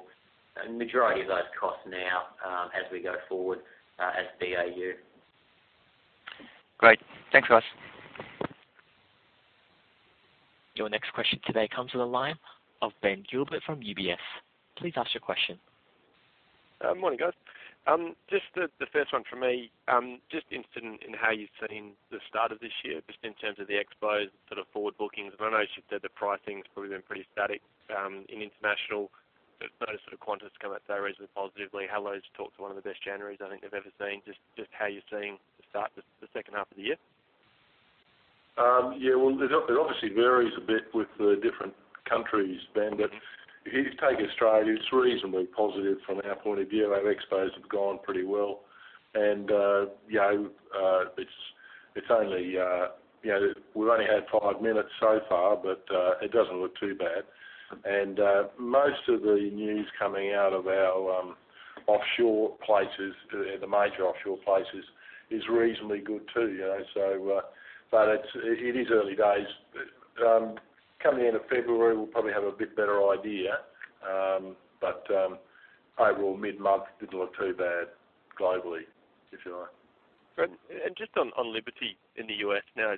the majority of those costs now as we go forward as BAU. Great. Thanks, Ross. Your next question today comes from the line of Ben Gilbert from UBS. Please ask your question. Morning, guys. Just the first one for me, just interested in how you've seen the start of this year, just in terms of the expos and sort of forward bookings. And I know you said the pricing's probably been pretty static in international. Those sort of quantities come out there reasonably positively. All roads lead to one of the best Januarys I think they've ever seen, just how you're seeing the start of the second half of the year? Yeah. Well, it obviously varies a bit with the different countries, Ben, but if you take Australia, it's reasonably positive from our point of view. Our expos have gone pretty well, and it's only been five months so far, but it doesn't look too bad. And most of the news coming out of our offshore places, the major offshore places, is reasonably good too. But it is early days. Coming into February, we'll probably have a bit better idea, but overall, mid-month didn't look too bad globally, if you like. And just on Liberty in the U.S. now,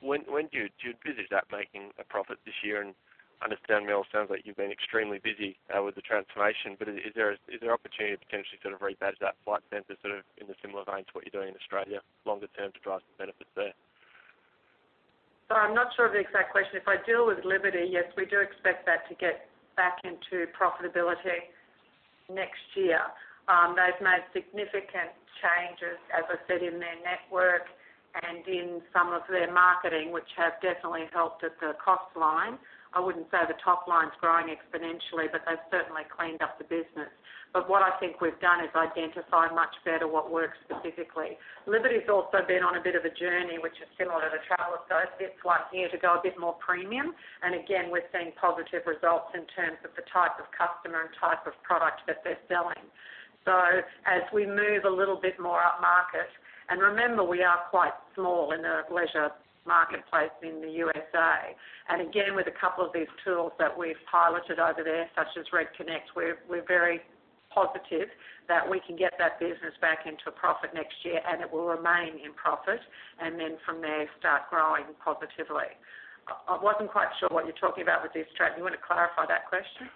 when do you envisage that making a profit this year? And I understand, Mel, it sounds like you've been extremely busy with the transformation, but is there opportunity to potentially sort of rebadge that Flight Centre sort of in the similar vein to what you're doing in Australia longer term to drive the benefits there? So I'm not sure of the exact question. If I deal with Liberty, yes, we do expect that to get back into profitability next year. They've made significant changes, as I said, in their network and in some of their marketing, which have definitely helped at the cost line. I wouldn't say the top line's growing exponentially, but they've certainly cleaned up the business. But what I think we've done is identify much better what works specifically. Liberty's also been on a bit of a journey, which is similar to the traveler space, this last year, to go a bit more premium. And again, we're seeing positive results in terms of the type of customer and type of product that they're selling. So as we move a little bit more upmarket, and remember, we are quite small in the leisure marketplace in the USA. And again, with a couple of these tools that we've piloted over there, such as Red Connect, we're very positive that we can get that business back into a profit next year, and it will remain in profit, and then from there, start growing positively. I wasn't quite sure what you're talking about with this strat. Do you want to clarify that question?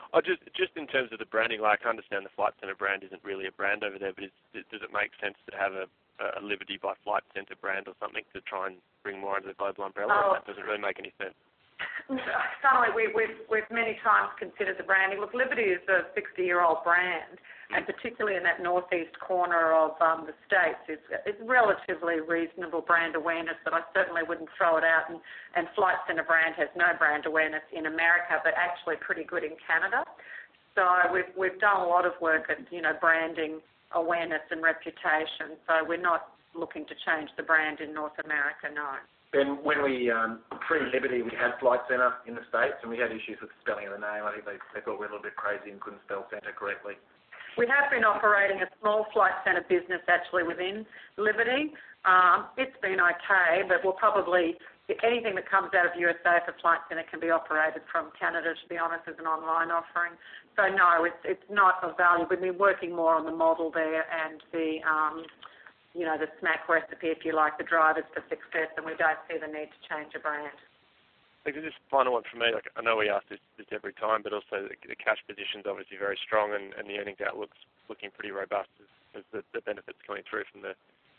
Just in terms of the branding, I can understand the Flight Centre brand isn't really a brand over there, but does it make sense to have a Liberty by Flight Centre brand or something to try and bring more under the global umbrella? Or that doesn't really make any sense? No, I certainly. We've many times considered the branding. Look, Liberty is a 60-year-old brand, and particularly in that northeast corner of the States, it's relatively reasonable brand awareness, but I certainly wouldn't throw it out, and Flight Centre brand has no brand awareness in America, but actually pretty good in Canada. So we've done a lot of work at branding awareness and reputation, so we're not looking to change the brand in North America, no. When we pre-Liberty, we had Flight Centre in the States, and we had issues with the spelling of the name. I think they thought we were a little bit crazy and couldn't spell Centre correctly. We have been operating a small Flight Centre business actually within Liberty. It's been okay, but anything that comes out of USA for Flight Centre can be operated from Canada, to be honest, as an online offering. So no, it's not of value. We've been working more on the model there and the magic recipe, if you like, the drivers for success, and we don't see the need to change a brand. Just a final one for me. I know we ask this every time, but also the cash position's obviously very strong, and the earnings outlook's looking pretty robust as the benefits coming through from the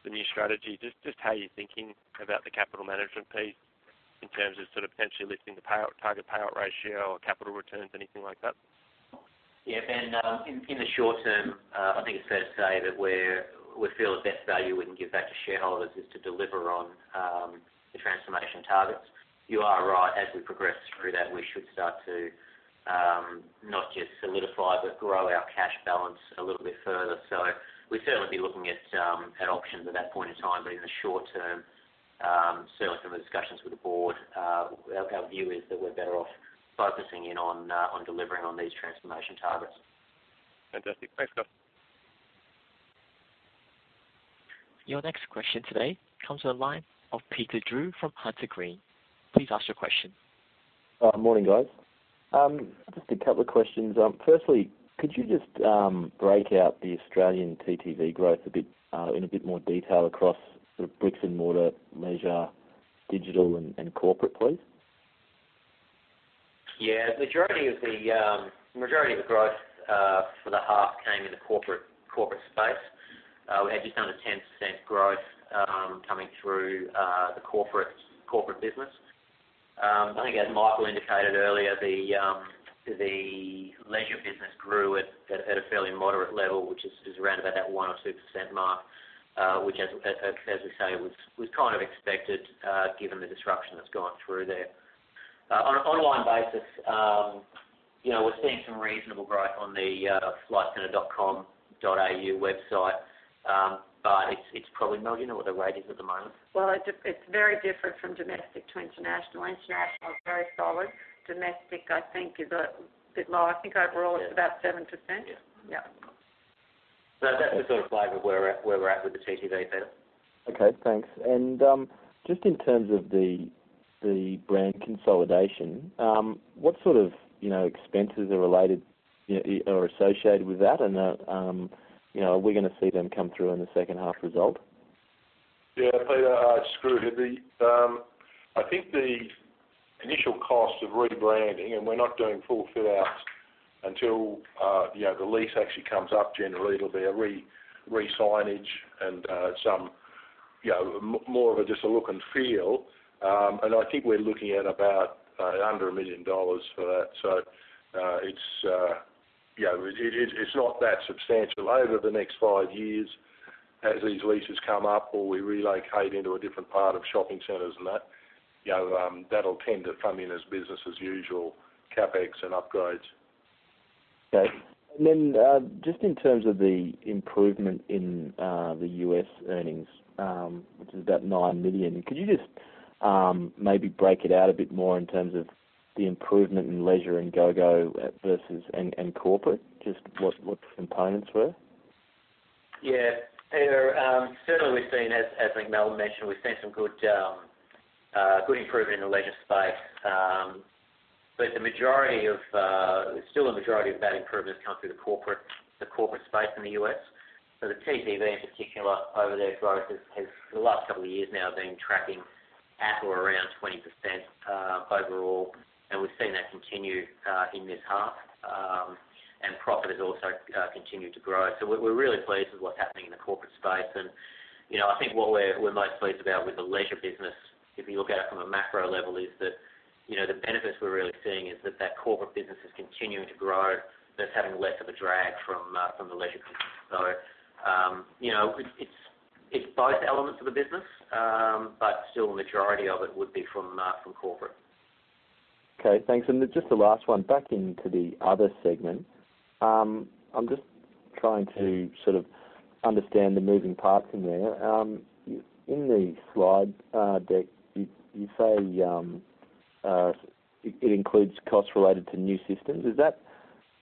new strategy. Just how are you thinking about the capital management piece in terms of sort of potentially lifting the target payout ratio or capital returns, anything like that? Yeah. Ben, in the short term, I think it's fair to say that we feel the best value we can give back to shareholders is to deliver on the transformation targets. You are right. As we progress through that, we should start to not just solidify but grow our cash balance a little bit further. So we'd certainly be looking at options at that point in time, but in the short term, certainly from the discussions with the board, our view is that we're better off focusing in on delivering on these transformation targets. Fantastic. Thanks, guys. Your next question today comes from the line of Peter Drew from Carter Green. Please ask your question. Morning, guys. Just a couple of questions. Firstly, could you just break out the Australian TTV growth in a bit more detail across the bricks and mortar, leisure, digital, and corporate, please? Yeah. The majority of the growth for the half came in the corporate space. We had just under 10% growth coming through the corporate business. I think, as Michael indicated earlier, the leisure business grew at a fairly moderate level, which is around about that 1 or 2% mark, which, as we say, was kind of expected given the disruption that's gone through there. On an online basis, we're seeing some reasonable growth on the flightcentre.com.au website, but it's probably, well, do you know what the rate is at the moment? Well, it's very different from domestic to international. International is very solid. Domestic, I think, is a bit lower. I think overall, it's about 7%. Yeah. Yeah. That's the sort of flavor where we're at with the TTV, Peter. Okay. Thanks. And just in terms of the brand consolidation, what sort of expenses are related or associated with that, and are we going to see them come through in the second half result? Yeah. Peter, Skroo, I think the initial cost of rebranding, and we're not doing full fit-outs until the lease actually comes up, generally, it'll be a re-signage and some more of just a look and feel. And I think we're looking at about under 1 million dollars for that. So it's not that substantial. Over the next five years, as these leases come up or we relocate into a different part of shopping centers and that, that'll tend to come in as business as usual, CapEx and upgrades. Okay. And then just in terms of the improvement in the US earnings, which is about 9 million, could you just maybe break it out a bit more in terms of the improvement in leisure and GOGO versus and corporate, just what components were? Yeah. Peter, certainly we've seen, as I think Mel mentioned, we've seen some good improvement in the leisure space, but the majority of, it's still a majority of that improvement has come through the corporate space in the US. So the TTV, in particular, over their growth has for the last couple of years now been tracking at or around 20% overall, and we've seen that continue in this half, and profit has also continued to grow. So we're really pleased with what's happening in the corporate space. And I think what we're most pleased about with the leisure business, if you look at it from a macro level, is that the benefits we're really seeing is that that corporate business is continuing to grow, but it's having less of a drag from the leisure company. So it's both elements of the business, but still, the majority of it would be from corporate. Okay. Thanks. And just the last one, back into the other segment, I'm just trying to sort of understand the moving parts in there. In the slide deck, you say it includes costs related to new systems. Is that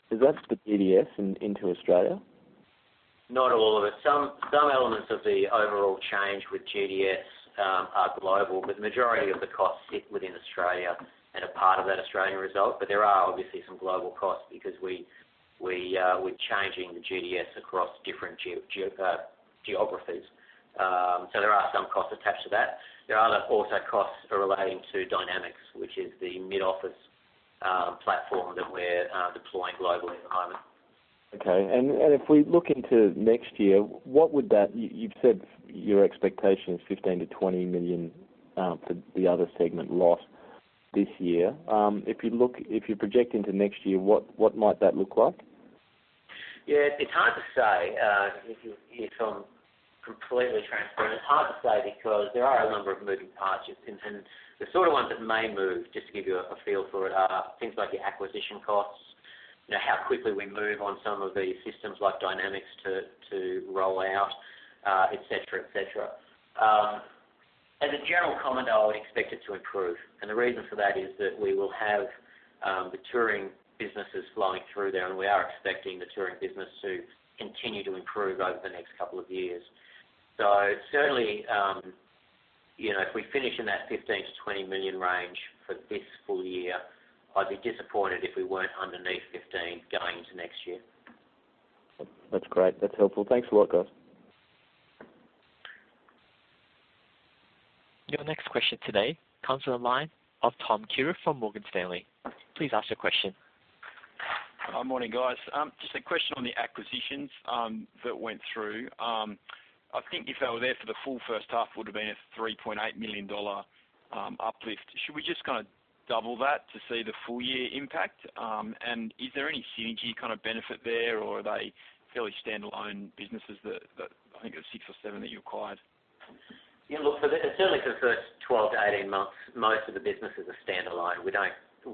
the GDS into Australia? Not all of it. Some elements of the overall change with GDS are global, but the majority of the costs sit within Australia and are part of that Australian result. But there are obviously some global costs because we're changing the GDS across different geographies. So there are some costs attached to that. There are also costs relating to Dynamics, which is the mid-office platform that we're deploying globally at the moment. Okay. And if we look into next year, what would that—you've said your expectation is 15-20 million for the other segment loss this year. If you project into next year, what might that look like? Yeah. It's hard to say. If I'm completely transparent, it's hard to say because there are a number of moving parts, and the sort of ones that may move, just to give you a feel for it, are things like your acquisition costs, how quickly we move on some of these systems like Dynamics to roll out, etc., etc. As a general comment, though, I would expect it to improve. The reason for that is that we will have the touring businesses flowing through there, and we are expecting the touring business to continue to improve over the next couple of years. So certainly, if we finish in that 15-20 million range for this full year, I'd be disappointed if we weren't underneath 15 going into next year. That's great. That's helpful. Thanks a lot, guys. Your next question today comes from the line of Tom Kierath from Morgan Stanley. Please ask your question. Morning, guys. Just a question on the acquisitions that went through. I think if they were there for the full first half, it would have been an 3.8 million dollar uplift. Should we just kind of double that to see the full year impact? And is there any synergy kind of benefit there, or are they fairly standalone businesses that I think it was six or seven that you acquired? Yeah. Look, certainly for the first 12 to 18 months, most of the businesses are standalone. We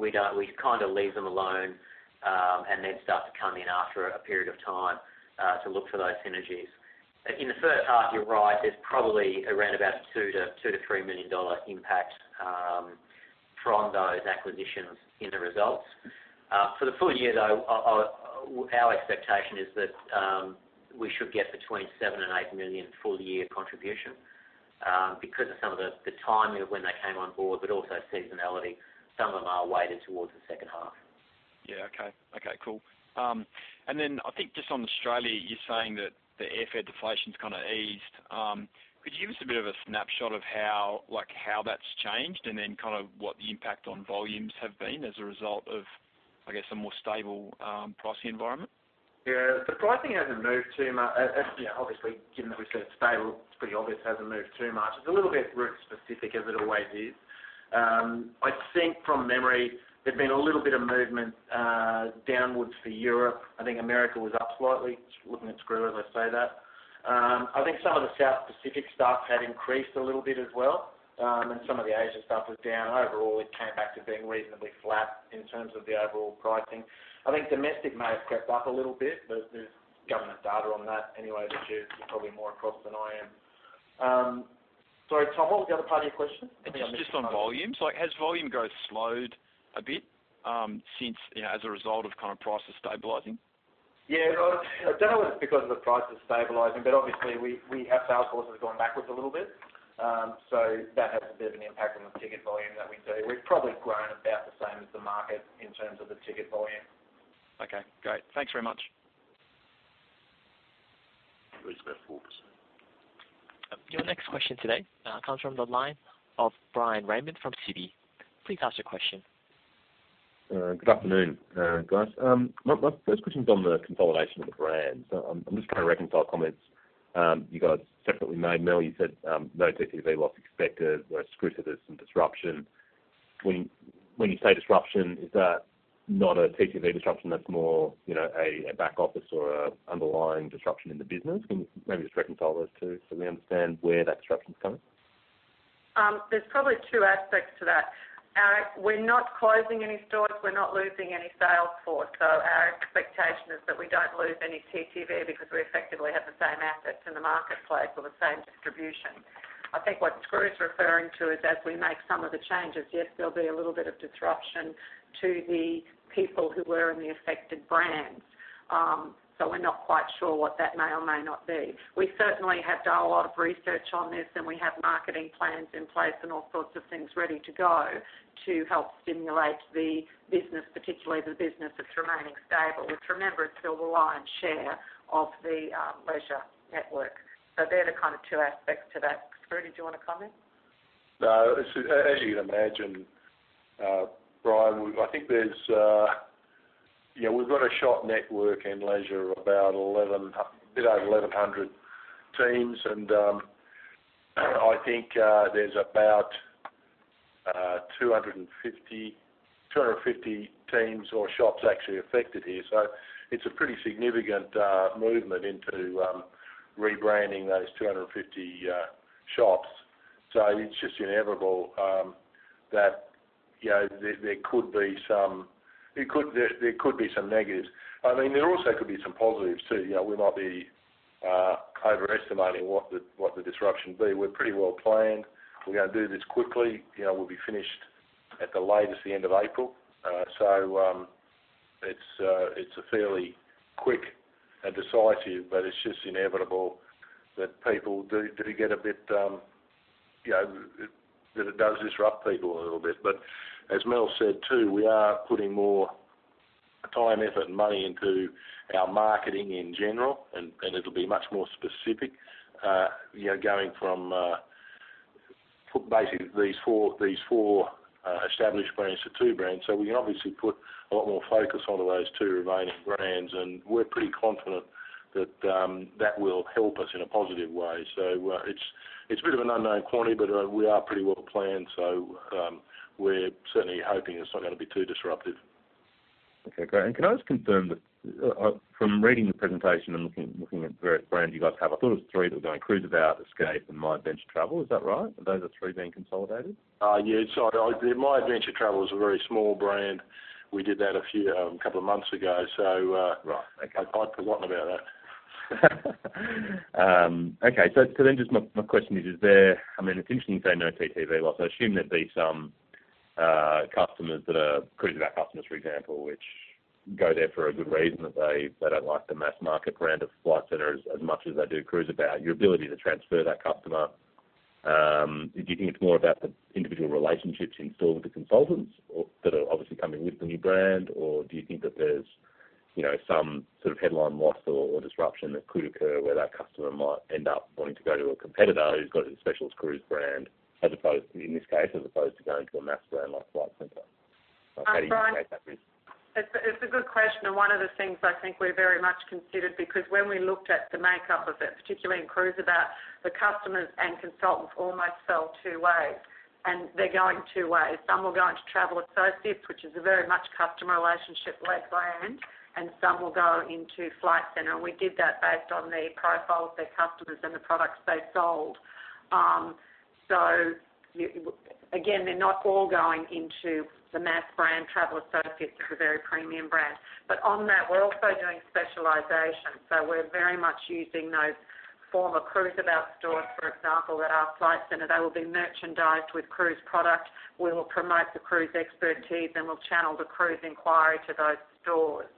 kind of leave them alone and then start to come in after a period of time to look for those synergies. In the first half, you're right, there's probably around about an 2-3 million dollar impact from those acquisitions in the results. For the full year, though, our expectation is that we should get between 7 million and 8 million full year contribution because of some of the timing of when they came on board, but also seasonality. Some of them are weighted towards the second half. Yeah. Okay. Okay. Cool. And then I think just on Australia, you're saying that the airfare deflation's kind of eased. Could you give us a bit of a snapshot of how that's changed and then kind of what the impact on volumes have been as a result of, I guess, a more stable pricing environment? Yeah. The pricing hasn't moved too much. Obviously, given that we've said it's stable, it's pretty obvious it hasn't moved too much. It's a little bit route-specific, as it always is. I think from memory, there's been a little bit of movement downwards for Europe. I think America was up slightly. Looking at Skroo as I say that. I think some of the South Pacific stuff had increased a little bit as well, and some of the Asia stuff was down. Overall, it came back to being reasonably flat in terms of the overall pricing. I think domestic may have crept up a little bit, but there's government data on that anyway that you're probably more across than I am. Sorry, Tom, what was the other part of your question? It's just on volumes. Has volume growth slowed a bit as a result of kind of prices stabilizing? Yeah. I don't know whether it's because of the prices stabilizing, but obviously, our sales forces have gone backwards a little bit, so that has a bit of an impact on the ticket volume that we do. We've probably grown about the same as the market in terms of the ticket volume. Okay. Great. Thanks very much. It was about 4%. Your next question today comes from the line of Brian Raymond from Citi. Please ask your question. Good afternoon, guys. My first question's on the consolidation of the brand. So I'm just trying to reconcile comments you guys separately made. Mel, you said no TTV loss expected. We're expecting some disruption. When you say disruption, is that not a TTV disruption? That's more a back office or an underlying disruption in the business? Can you maybe just reconcile those two so we understand where that disruption's coming? There's probably two aspects to that. We're not closing any stores. We're not losing any sales force. So our expectation is that we don't lose any TTV because we effectively have the same assets in the marketplace or the same distribution. I think what Screw is referring to is, as we make some of the changes, yes, there'll be a little bit of disruption to the people who were in the affected brands. So we're not quite sure what that may or may not be. We certainly have done a lot of research on this, and we have marketing plans in place and all sorts of things ready to go to help stimulate the business, particularly the business that's remaining stable, which, remember, is still the lion's share of the leisure network, so they're the kind of two aspects to that. Skroo, did you want to comment? As you can imagine, Brian, I think we've got a shop network in leisure, about 1,100 teams, and I think there's about 250 teams or shops actually affected here, so it's a pretty significant movement into rebranding those 250 shops, so it's just inevitable that there could be some, there could be some negatives. I mean, there also could be some positives too. We might be overestimating what the disruption would be. We're pretty well planned. We're going to do this quickly. We'll be finished at the latest the end of April. So it's a fairly quick and decisive, but it's just inevitable that people do get a bit, that it does disrupt people a little bit. But as Mel said too, we are putting more time, effort, and money into our marketing in general, and it'll be much more specific, going from basically these four established brands to two brands. So we can obviously put a lot more focus onto those two remaining brands, and we're pretty confident that that will help us in a positive way. So it's a bit of an unknown quantity, but we are pretty well planned. So we're certainly hoping it's not going to be too disruptive. Okay. Great. And can I just confirm that from reading the presentation and looking at the various brands you guys have? I thought it was three that were going: Cruiseabout, Escape, and My Adventure Travel. Is that right? Are those the three being consolidated? Yeah. Sorry. My Adventure Travel is a very small brand. We did that a couple of months ago. So I'd forgotten about that. Okay. So then just my question is, is there, I mean, it's interesting you say no TTV loss. I assume there'd be some customers that are Cruiseabout customers, for example, which go there for a good reason, that they don't like the mass market brand of Flight Centre as much as they do Cruiseabout. Your ability to transfer that customer, do you think it's more about the individual relationships installed with the consultants that are obviously coming with the new brand, or do you think that there's some sort of headline loss or disruption that could occur where that customer might end up wanting to go to a competitor who's got a specialist cruise brand in this case, as opposed to going to a mass brand like Flight Centre? How do you make that risk? It's a good question, and one of the things I think we very much considered because when we looked at the makeup of it, particularly in Cruiseabout, the customers and consultants almost fell two ways, and they're going two ways. Some were going to Travel Associates, which is a very much customer relationship led brand, and some will go into Flight Centre. We did that based on the profile of their customers and the products they sold. Again, they're not all going into the mass brand Travel Associates as a very premium brand. On that, we're also doing specialization. We're very much using those former Cruiseabout stores, for example, that are Flight Centre. They will be merchandised with cruise product. We will promote the cruise expertise, and we'll channel the cruise inquiry to those stores.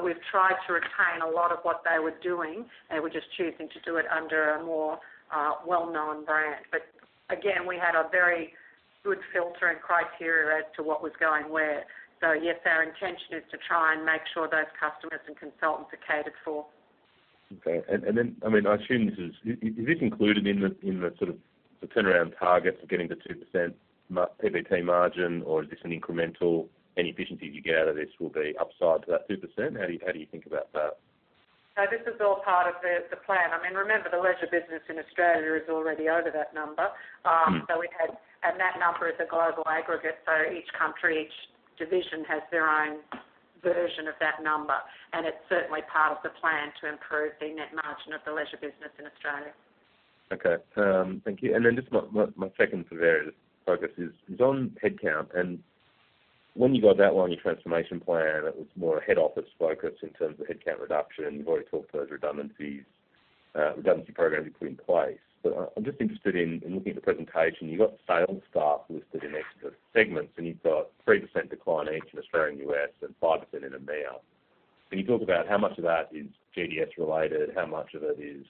We've tried to retain a lot of what they were doing, and we're just choosing to do it under a more well-known brand. Again, we had a very good filter and criteria as to what was going where. Yes, our intention is to try and make sure those customers and consultants are catered for. Okay. Then, I mean, I assume this is this included in the sort of the turnaround target for getting the 2% PBT margin, or is this an incremental? Any efficiencies you get out of this will be upside to that 2%? How do you think about that? No, this is all part of the plan. I mean, remember, the leisure business in Australia is already over that number. That number is a global aggregate. So each country, each division has their own version of that number. And it's certainly part of the plan to improve the net margin of the leisure business in Australia. Okay. Thank you. And then just my second area of focus is on headcount. And when you launched your transformation plan, it was more a head office focus in terms of headcount reduction. You've already talked to those redundancies, redundancy programs you put in place. But I'm just interested in looking at the presentation. You've got sales staff listed in extra segments, and you've got 3% decline in each in Australia, US, and 5% in America. Can you talk about how much of that is GDS-related? How much of it is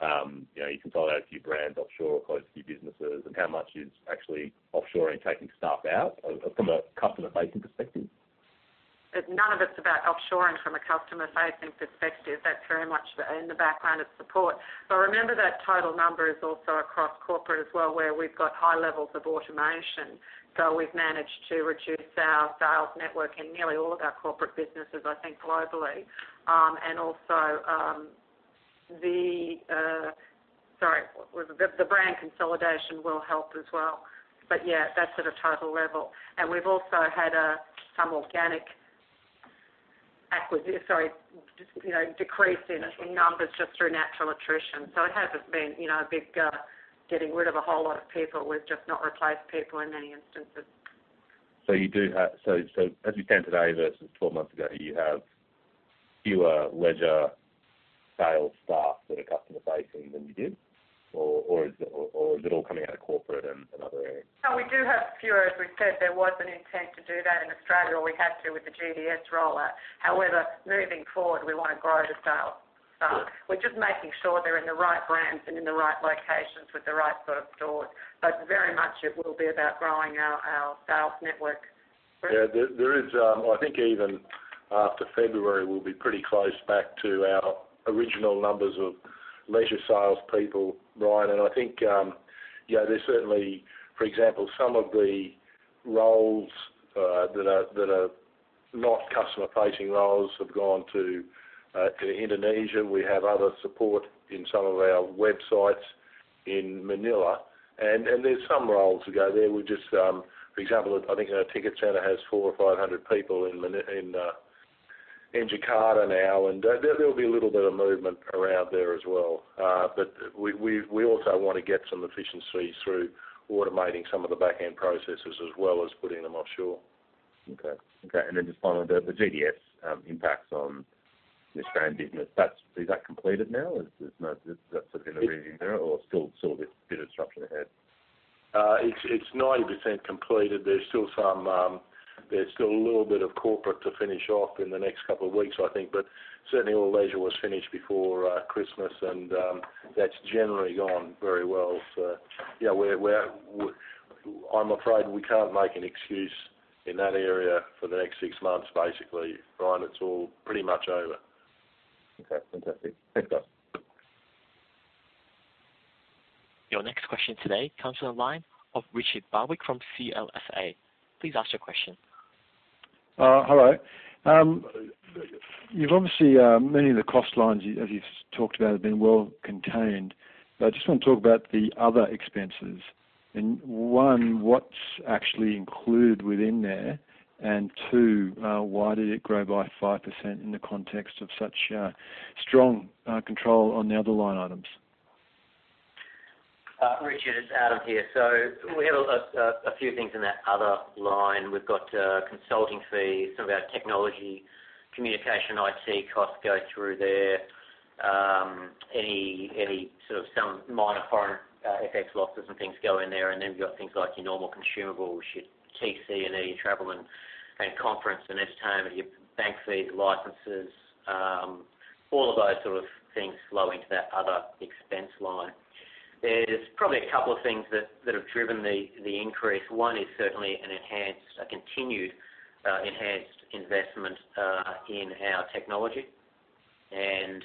you consolidate a few brands offshore or close a few businesses, and how much is actually offshoring, taking staff out from a customer-facing perspective? None of it's about offshoring from a customer-facing perspective. That's very much in the background of support. But remember, that total number is also across corporate as well, where we've got high levels of automation. So we've managed to reduce our sales network in nearly all of our corporate businesses, I think, globally. And also, the, sorry, the brand consolidation will help as well. But yeah, that's at a total level. And we've also had some organic, sorry, decrease in numbers just through natural attrition. So it hasn't been a big getting rid of a whole lot of people. We've just not replaced people in many instances. So as we stand today versus 12 months ago, you have fewer leisure sales staff that are customer-facing than you did? Or is it all coming out of corporate and other areas? No, we do have fewer. As we said, there was an intent to do that in Australia, or we had to with the GDS rollout. However, moving forward, we want to grow the sales staff. We're just making sure they're in the right brands and in the right locations with the right sort of stores. But very much, it will be about growing our sales network. Yeah. I think even after February, we'll be pretty close back to our original numbers of leisure salespeople, Brian. And I think there's certainly, for example, some of the roles that are not customer-facing roles have gone to Indonesia. We have other support in some of our websites in Manila. And there's some roles that go there. For example, I think a ticket centre has 400 or 500 people in Jakarta now. And there'll be a little bit of movement around there as well. But we also want to get some efficiencies through automating some of the backend processes as well as putting them offshore. Okay. Okay. And then just finally, the GDS impacts on this brand business. Is that completed now? Is that sort of in the rearview mirror, or still a bit of disruption ahead? It's 90% completed. There's still a little bit of corporate to finish off in the next couple of weeks, I think. But certainly, all leisure was finished before Christmas, and that's generally gone very well. So I'm afraid we can't make an excuse in that area for the next six months, basically. Brian, it's all pretty much over. Okay. Fantastic. Thanks, guys. Your next question today comes from a line of Richard Barwick from CLSA. Please ask your question. Hello. You've obviously many of the cost lines, as you've talked about, have been well contained. But I just want to talk about the other expenses. And one, what's actually included within there? And two, why did it grow by 5% in the context of such strong control on the other line items? Richard, it's Adam here. So we have a few things in that other line. We've got consulting fees. Some of our technology communication IT costs go through there. Any sort of some minor foreign FX losses and things go in there. And then we've got things like your normal consumables, your TC and E and Travel and Conference and Entertainment, your bank fees, licenses. All of those sort of things flow into that other expense line. There's probably a couple of things that have driven the increase. One is certainly a continued enhanced investment in our technology. And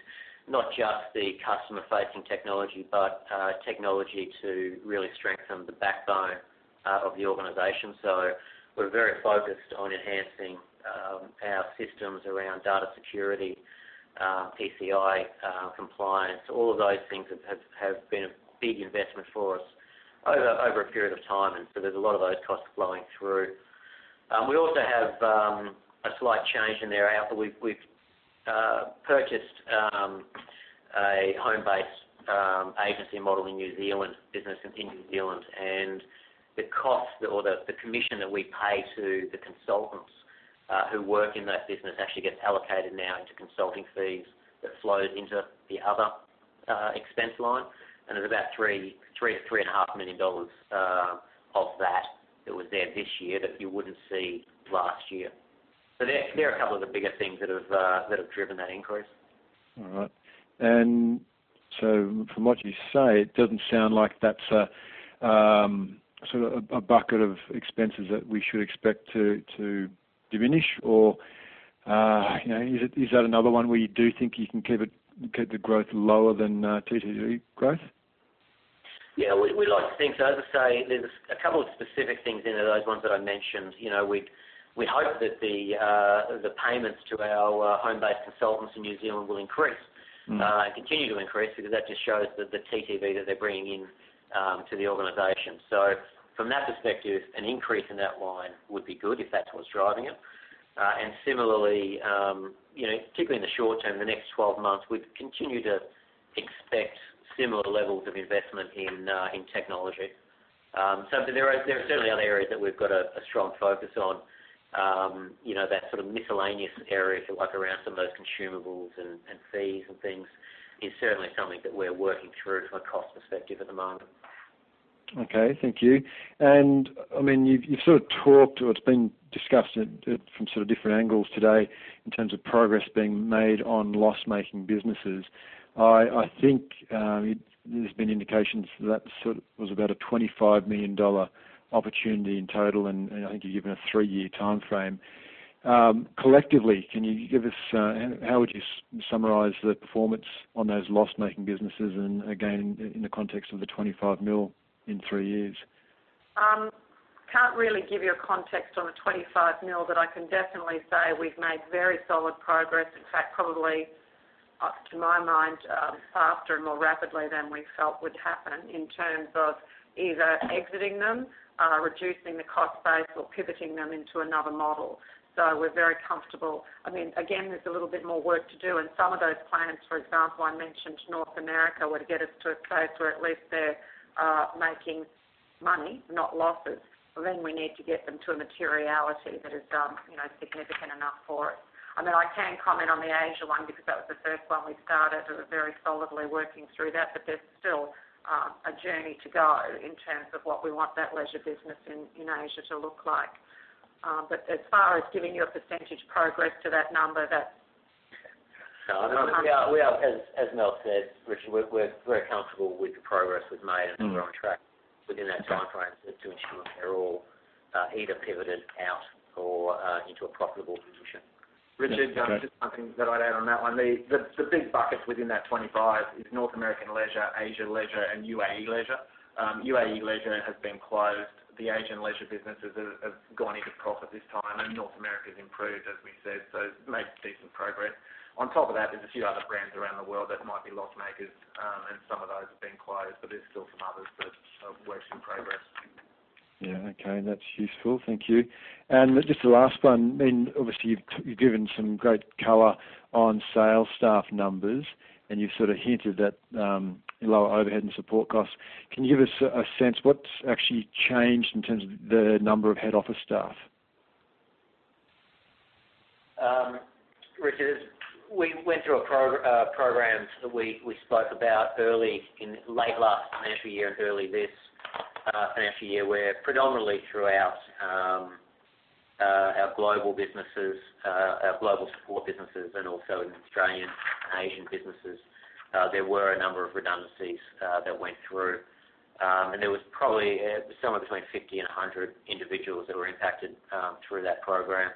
not just the customer-facing technology, but technology to really strengthen the backbone of the organization. So we're very focused on enhancing our systems around data security, PCI compliance. All of those things have been a big investment for us over a period of time. And so there's a lot of those costs flowing through. We also have a slight change in there. We've purchased a home-based agency model in New Zealand business in New Zealand. And the cost or the commission that we pay to the consultants who work in that business actually gets allocated now into consulting fees that flows into the other expense line. And there's about 3-3.5 million dollars of that that was there this year that you wouldn't see last year. So there are a couple of the bigger things that have driven that increase. All right. And so from what you say, it doesn't sound like that's sort of a bucket of expenses that we should expect to diminish, or is that another one where you do think you can keep the growth lower than TTV growth? Yeah. We like to think so. As I say, there's a couple of specific things in there, those ones that I mentioned. We hope that the payments to our home-based consultants in New Zealand will increase and continue to increase because that just shows the TTV that they're bringing in to the organization. So from that perspective, an increase in that line would be good if that's what's driving it. And similarly, particularly in the short term, the next 12 months, we'd continue to expect similar levels of investment in technology. So there are certainly other areas that we've got a strong focus on. That sort of miscellaneous area, like around some of those consumables and fees and things, is certainly something that we're working through from a cost perspective at the moment. Okay. Thank you. And I mean, you've sort of talked or it's been discussed from sort of different angles today in terms of progress being made on loss-making businesses. I think there's been indications that that sort of was about an 25 million dollar opportunity in total, and I think you've given a three-year time frame. Collectively, can you give us how would you summarize the performance on those loss-making businesses and again, in the context of the 25 mil in three years? Can't really give you a context on the 25 mil, but I can definitely say we've made very solid progress. In fact, probably to my mind, faster and more rapidly than we felt would happen in terms of either exiting them, reducing the cost base, or pivoting them into another model. So we're very comfortable. I mean, again, there's a little bit more work to do, and some of those plans, for example, I mentioned North America, were to get us to a place where at least they're making money, not losses. Then we need to get them to a materiality that is significant enough for us. I mean, I can comment on the Asia one because that was the first one we started. We're very solidly working through that. But there's still a journey to go in terms of what we want that leisure business in Asia to look like. But as far as giving you a percentage progress to that number, that's. No, I mean, we are, as Mel said, Richard, we're very comfortable with the progress we've made and that we're on track within that time frame to ensure they're all either pivoted out or into a profitable position. Richard, just something that I'd add on that one. The big bucket within that 25 is North American leisure, Asia leisure, and UAE leisure. UAE leisure has been closed. The Asian leisure businesses have gone into profit this time, and North America's improved, as we said. So it's made decent progress. On top of that, there's a few other brands around the world that might be loss-makers, and some of those have been closed, but there's still some others that are working progress. Yeah. Okay. That's useful. Thank you. And just the last one. I mean, obviously, you've given some great color on sales staff numbers, and you've sort of hinted at lower overhead and support costs. Can you give us a sense what's actually changed in terms of the number of head office staff? Richard, we went through a program that we spoke about early in late last financial year and early this financial year where predominantly throughout our global businesses, our global support businesses, and also in Australian and Asian businesses, there were a number of redundancies that went through. And there was probably somewhere between 50 and 100 individuals that were impacted through that program.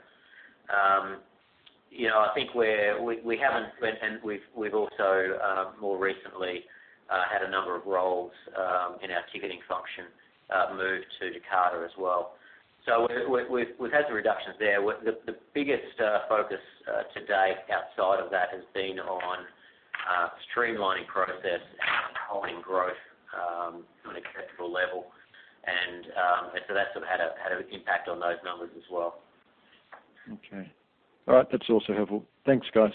I think we haven't, and we've also more recently had a number of roles in our ticketing function moved to Jakarta as well. So we've had some reductions there. The biggest focus to date outside of that has been on streamlining process and holding growth on an acceptable level. And so that's sort of had an impact on those numbers as well. Okay. All right. That's also helpful. Thanks, guys.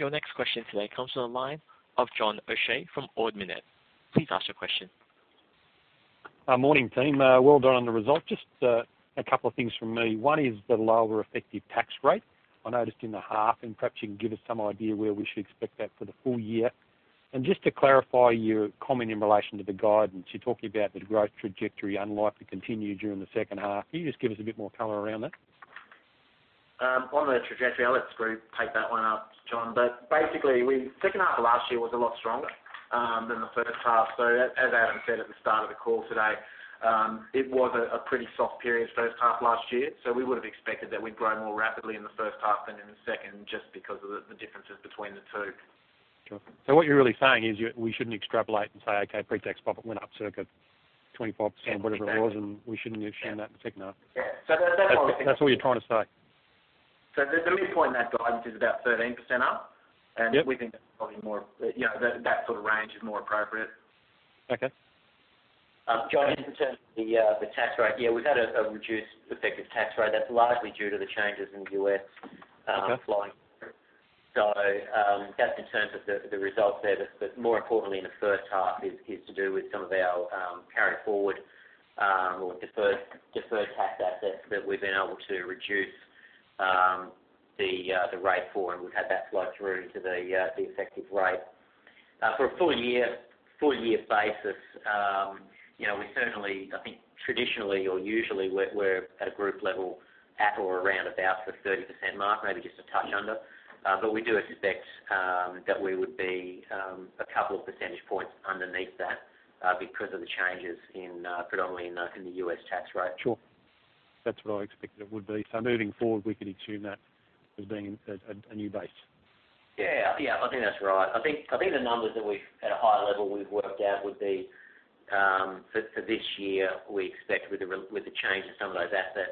Your next question today comes from a line of John O'Shea from Ord Minnett. Please ask your question. Morning, team. Well done on the result. Just a couple of things from me. One is the lower effective tax rate. I noticed in the half, and perhaps you can give us some idea where we should expect that for the full year. And just to clarify your comment in relation to the guidance, you're talking about the growth trajectory unlikely to continue during the second half. Can you just give us a bit more color around that? On the trajectory, I'll let Skroo take that one up, John. But basically, the second half of last year was a lot stronger than the first half. So as Adam said at the start of the call today, it was a pretty soft period, first half last year. So we would have expected that we'd grow more rapidly in the first half than in the second just because of the differences between the two. So what you're really saying is we shouldn't extrapolate and say, "Okay, pre-tax profit went up circa 25%," whatever it was, and we shouldn't assume that the second half. Yeah. So that's what we're trying to say. So the midpoint in that guidance is about 13% up, and we think that's probably more - that sort of range is more appropriate. Okay. John, in terms of the tax rate, yeah, we've had a reduced effective tax rate. That's largely due to the changes in the U.S. flowing through. So that's in terms of the results there. But more importantly, in the first half, is to do with some of our carry forward or deferred tax assets that we've been able to reduce the rate for, and we've had that flow through into the effective rate. For a full-year basis, we certainly, I think traditionally or usually, we're at a group level at or around about the 30% mark, maybe just a touch under. But we do expect that we would be a couple of percentage points underneath that because of the changes predominantly in the U.S. tax rate. Sure. That's what I expected it would be. So moving forward, we could assume that as being a new base. Yeah. Yeah. I think that's right. I think the numbers that we've at a high level we've worked out would be for this year. We expect with the change in some of those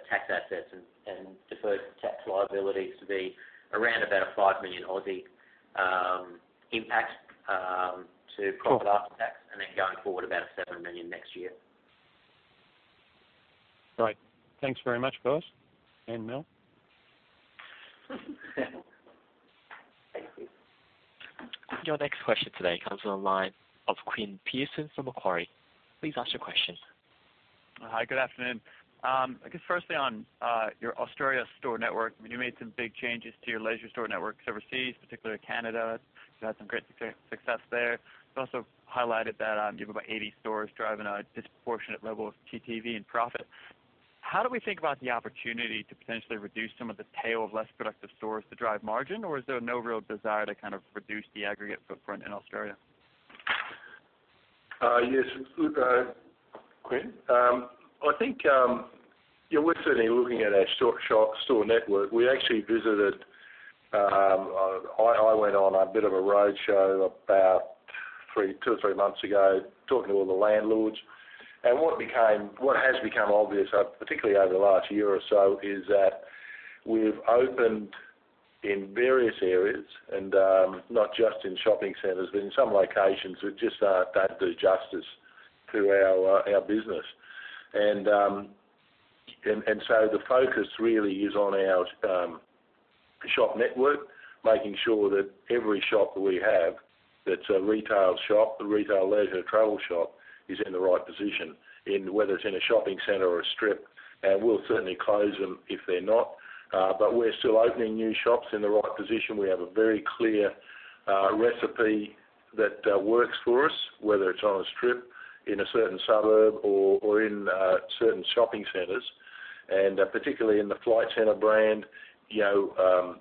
tax assets and deferred tax liabilities to be around about an 5 million impact to profit after tax and then going forward about an 7 million next year. Right. Thanks very much, guys. And Mel? Thank you. Your next question today comes from a line of Quinn Pierson from Macquarie. Please ask your question. Hi. Good afternoon. I guess firstly on your Australia store network, I mean, you made some big changes to your leisure store networks overseas, particularly Canada. You've had some great success there. You also highlighted that you have about 80 stores driving a disproportionate level of TTV and profit. How do we think about the opportunity to potentially reduce some of the tail of less productive stores to drive margin, or is there no real desire to kind of reduce the aggregate footprint in Australia? Yes. Quinn, I think we're certainly looking at a short sharp store network. We actually visited. I went on a bit of a roadshow about two or three months ago, talking to all the landlords. And what has become obvious, particularly over the last year or so, is that we've opened in various areas and not just in shopping centers, but in some locations that just aren't able to do justice to our business. And so the focus really is on our shop network, making sure that every shop that we have that's a retail shop, a retail leisure travel shop, is in the right position, whether it's in a shopping center or a strip. We'll certainly close them if they're not. We're still opening new shops in the right position. We have a very clear recipe that works for us, whether it's on a strip in a certain suburb or in certain shopping centers. Particularly in the Flight Centre brand, if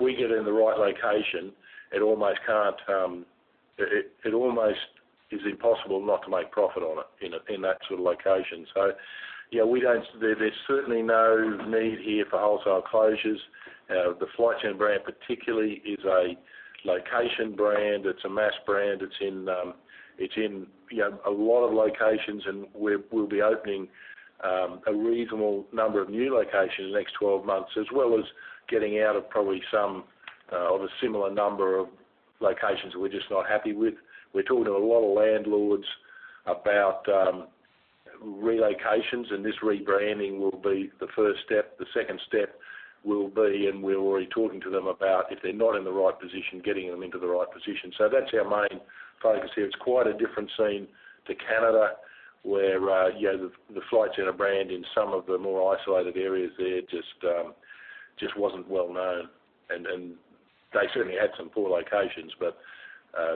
we get in the right location, it almost is impossible not to make profit on it in that sort of location. There's certainly no need here for wholesale closures. The Flight Centre brand, particularly, is a location brand. It's a mass brand. It's in a lot of locations, and we'll be opening a reasonable number of new locations in the next 12 months, as well as getting out of probably some of a similar number of locations that we're just not happy with. We're talking to a lot of landlords about relocations, and this rebranding will be the first step. The second step will be, and we're already talking to them about if they're not in the right position, getting them into the right position. So that's our main focus here. It's quite a different scene to Canada, where the Flight Centre brand in some of the more isolated areas there just wasn't well known. And they certainly had some poor locations, but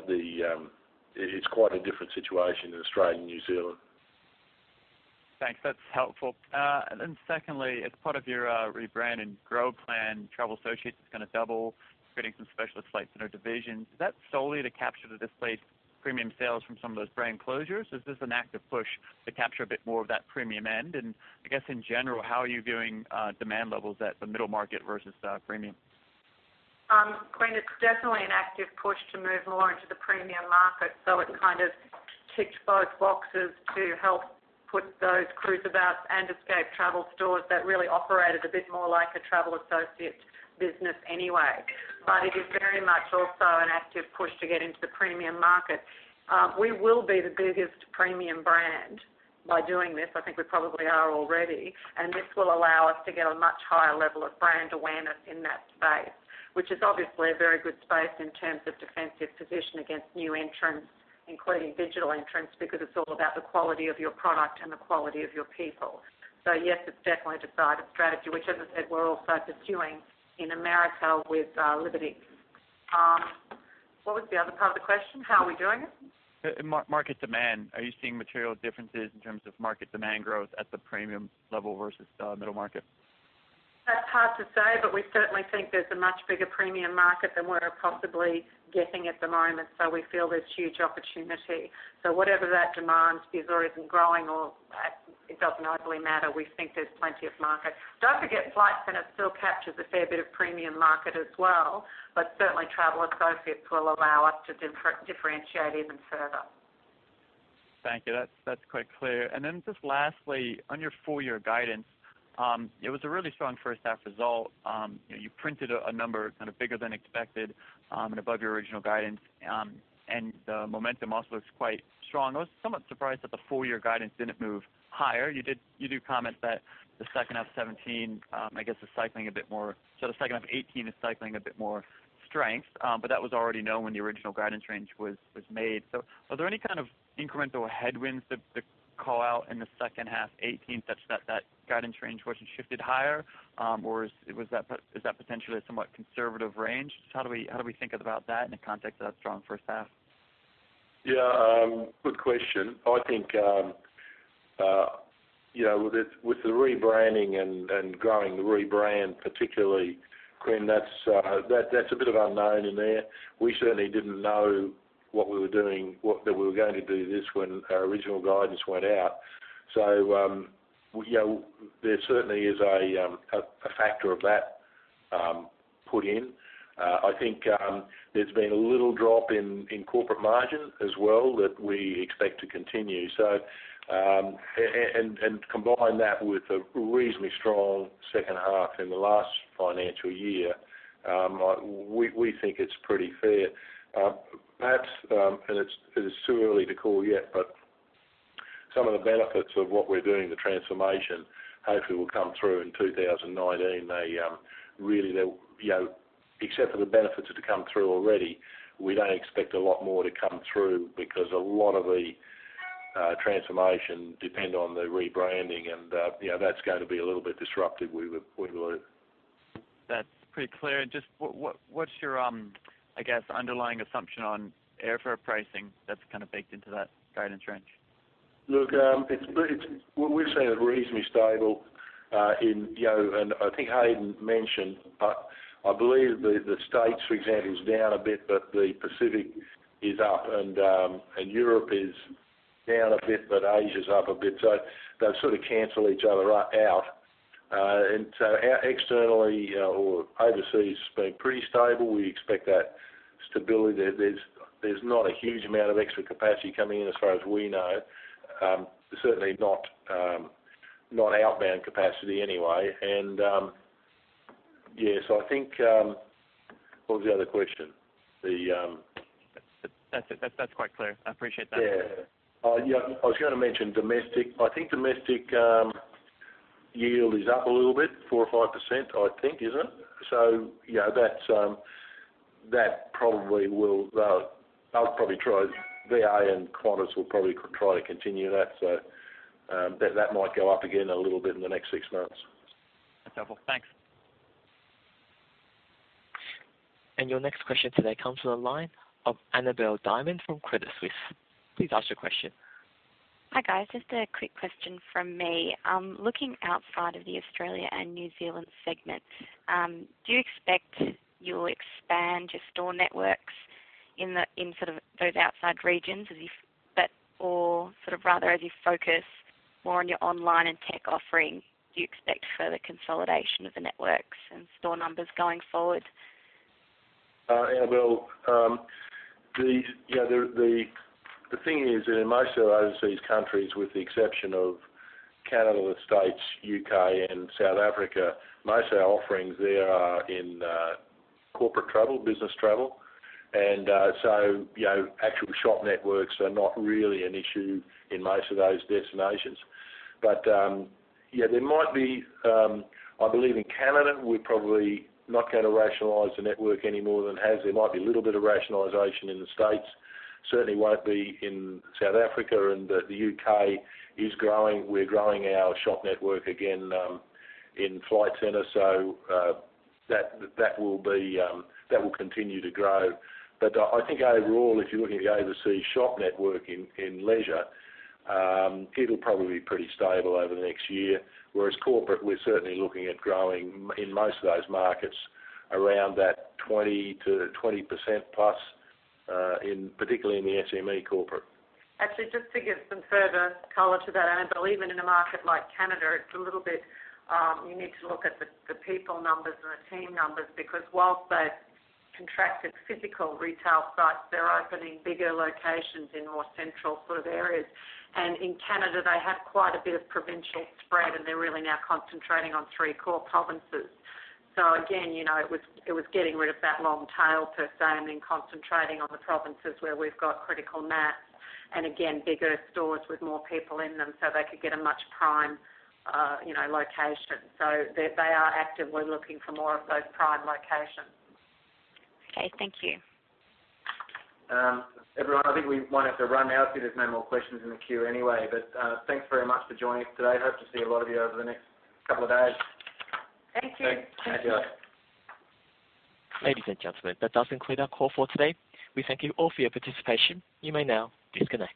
it's quite a different situation in Australia and New Zealand. Thanks. That's helpful. And then secondly, as part of your rebrand and growth plan, Travel Associates is going to double creating some specialist flights in their divisions. Is that solely to capture the displaced premium sales from some of those brand closures? Is this an active push to capture a bit more of that premium end? I guess in general, how are you viewing demand levels at the middle market versus premium? Quinn, it's definitely an active push to move more into the premium market, so it kind of ticked both boxes to help put those Cruiseabout and Escape Travel stores that really operated a bit more like a Travel Associates business anyway. But it is very much also an active push to get into the premium market. We will be the biggest premium brand by doing this. I think we probably are already. And this will allow us to get a much higher level of brand awareness in that space, which is obviously a very good space in terms of defensive position against new entrants, including digital entrants, because it's all about the quality of your product and the quality of your people. So yes, it's definitely a decided strategy, which, as I said, we're also pursuing in America with Liberty. What was the other part of the question? How are we doing it? Market demand. Are you seeing material differences in terms of market demand growth at the premium level versus the middle market? That's hard to say, but we certainly think there's a much bigger premium market than we're possibly getting at the moment. So we feel there's huge opportunity. So whatever that demand is or isn't growing, it doesn't overly matter. We think there's plenty of market. Don't forget Flight Centre still captures a fair bit of premium market as well, but certainly Travel Associates will allow us to differentiate even further. Thank you. That's quite clear. And then just lastly, on your full-year guidance, it was a really strong first-half result. You printed a number kind of bigger than expected and above your original guidance, and the momentum also looks quite strong. I was somewhat surprised that the full-year guidance didn't move higher. You do comment that the second half of 2017, I guess, is cycling a bit more. Sorry, the second half of 2018 is cycling a bit more strength. But that was already known when the original guidance range was made. So are there any kind of incremental headwinds to call out in the second half of 2018 such that that guidance range wasn't shifted higher, or is that potentially a somewhat conservative range? Just how do we think about that in the context of that strong first half? Yeah. Good question. I think with the rebranding and growing the rebrand, particularly, Quinn, that's a bit of unknown in there. We certainly didn't know what we were doing, that we were going to do this when our original guidance went out. So there certainly is a factor of that put in. I think there's been a little drop in corporate margin as well that we expect to continue. And combine that with a reasonably strong second half in the last financial year, we think it's pretty fair. Perhaps, and it's too early to call yet, but some of the benefits of what we're doing, the transformation, hopefully will come through in 2019. Really, except for the benefits that have come through already, we don't expect a lot more to come through because a lot of the transformation depends on the rebranding, and that's going to be a little bit disruptive, we believe. That's pretty clear. Just what's your, I guess, underlying assumption on airfare pricing that's kind of baked into that guidance range? Look, we've seen it reasonably stable in, and I think Haydn mentioned. I believe the States, for example, is down a bit, but the Pacific is up, and Europe is down a bit, but Asia's up a bit. So they sort of cancel each other out. And so externally or overseas, it's been pretty stable. We expect that stability. There's not a huge amount of extra capacity coming in as far as we know, certainly not outbound capacity anyway. And yeah, so I think what was the other question? That's quite clear. I appreciate that. Yeah. I was going to mention domestic. I think domestic yield is up a little bit, 4%-5%, I think, isn't it? So that probably will, VA and Qantas will probably try to continue that, so that might go up again a little bit in the next six months. That's helpful. Thanks. Your next question today comes from a line of Annabel Diamond from Credit Suisse. Please ask your question. Hi, guys. Just a quick question from me. Looking outside of the Australia and New Zealand segment, do you expect you'll expand your store networks in sort of those outside regions, or sort of rather as you focus more on your online and tech offering, do you expect further consolidation of the networks and store numbers going forward? Annabel, the thing is that most of those overseas countries, with the exception of Canada and the States, UK, and South Africa, most of our offerings there are in corporate travel, business travel. So actual shop networks are not really an issue in most of those destinations. But yeah, there might be. I believe in Canada, we're probably not going to rationalize the network any more than it has. There might be a little bit of rationalization in the States. Certainly won't be in South Africa, and the UK is growing. We're growing our shop network again in Flight Centre, so that will continue to grow. But I think overall, if you're looking at the overseas shop network in leisure, it'll probably be pretty stable over the next year. Whereas corporate, we're certainly looking at growing in most of those markets around that 20% to 20% plus, particularly in the SME corporate. Actually, just to give some further color to that, Annabel, even in a market like Canada, it's a little bit, you need to look at the people numbers and the team numbers because whilst they've contracted physical retail sites, they're opening bigger locations in more central sort of areas. And in Canada, they had quite a bit of provincial spread, and they're really now concentrating on three core provinces. So again, it was getting rid of that long tail, per se, and then concentrating on the provinces where we've got critical mass and, again, bigger stores with more people in them so they could get a much prime location. So they are actively looking for more of those prime locations. Okay. Thank you. Everyone, I think we might have to run now. I see there's no more questions in the queue anyway. But thanks very much for joining us today. Hope to see a lot of you over the next couple of days. Thank you. Thank you. Thank you. Thank you. Ladies and gentlemen, that does conclude our call for today. We thank you all for your participation. You may now disconnect.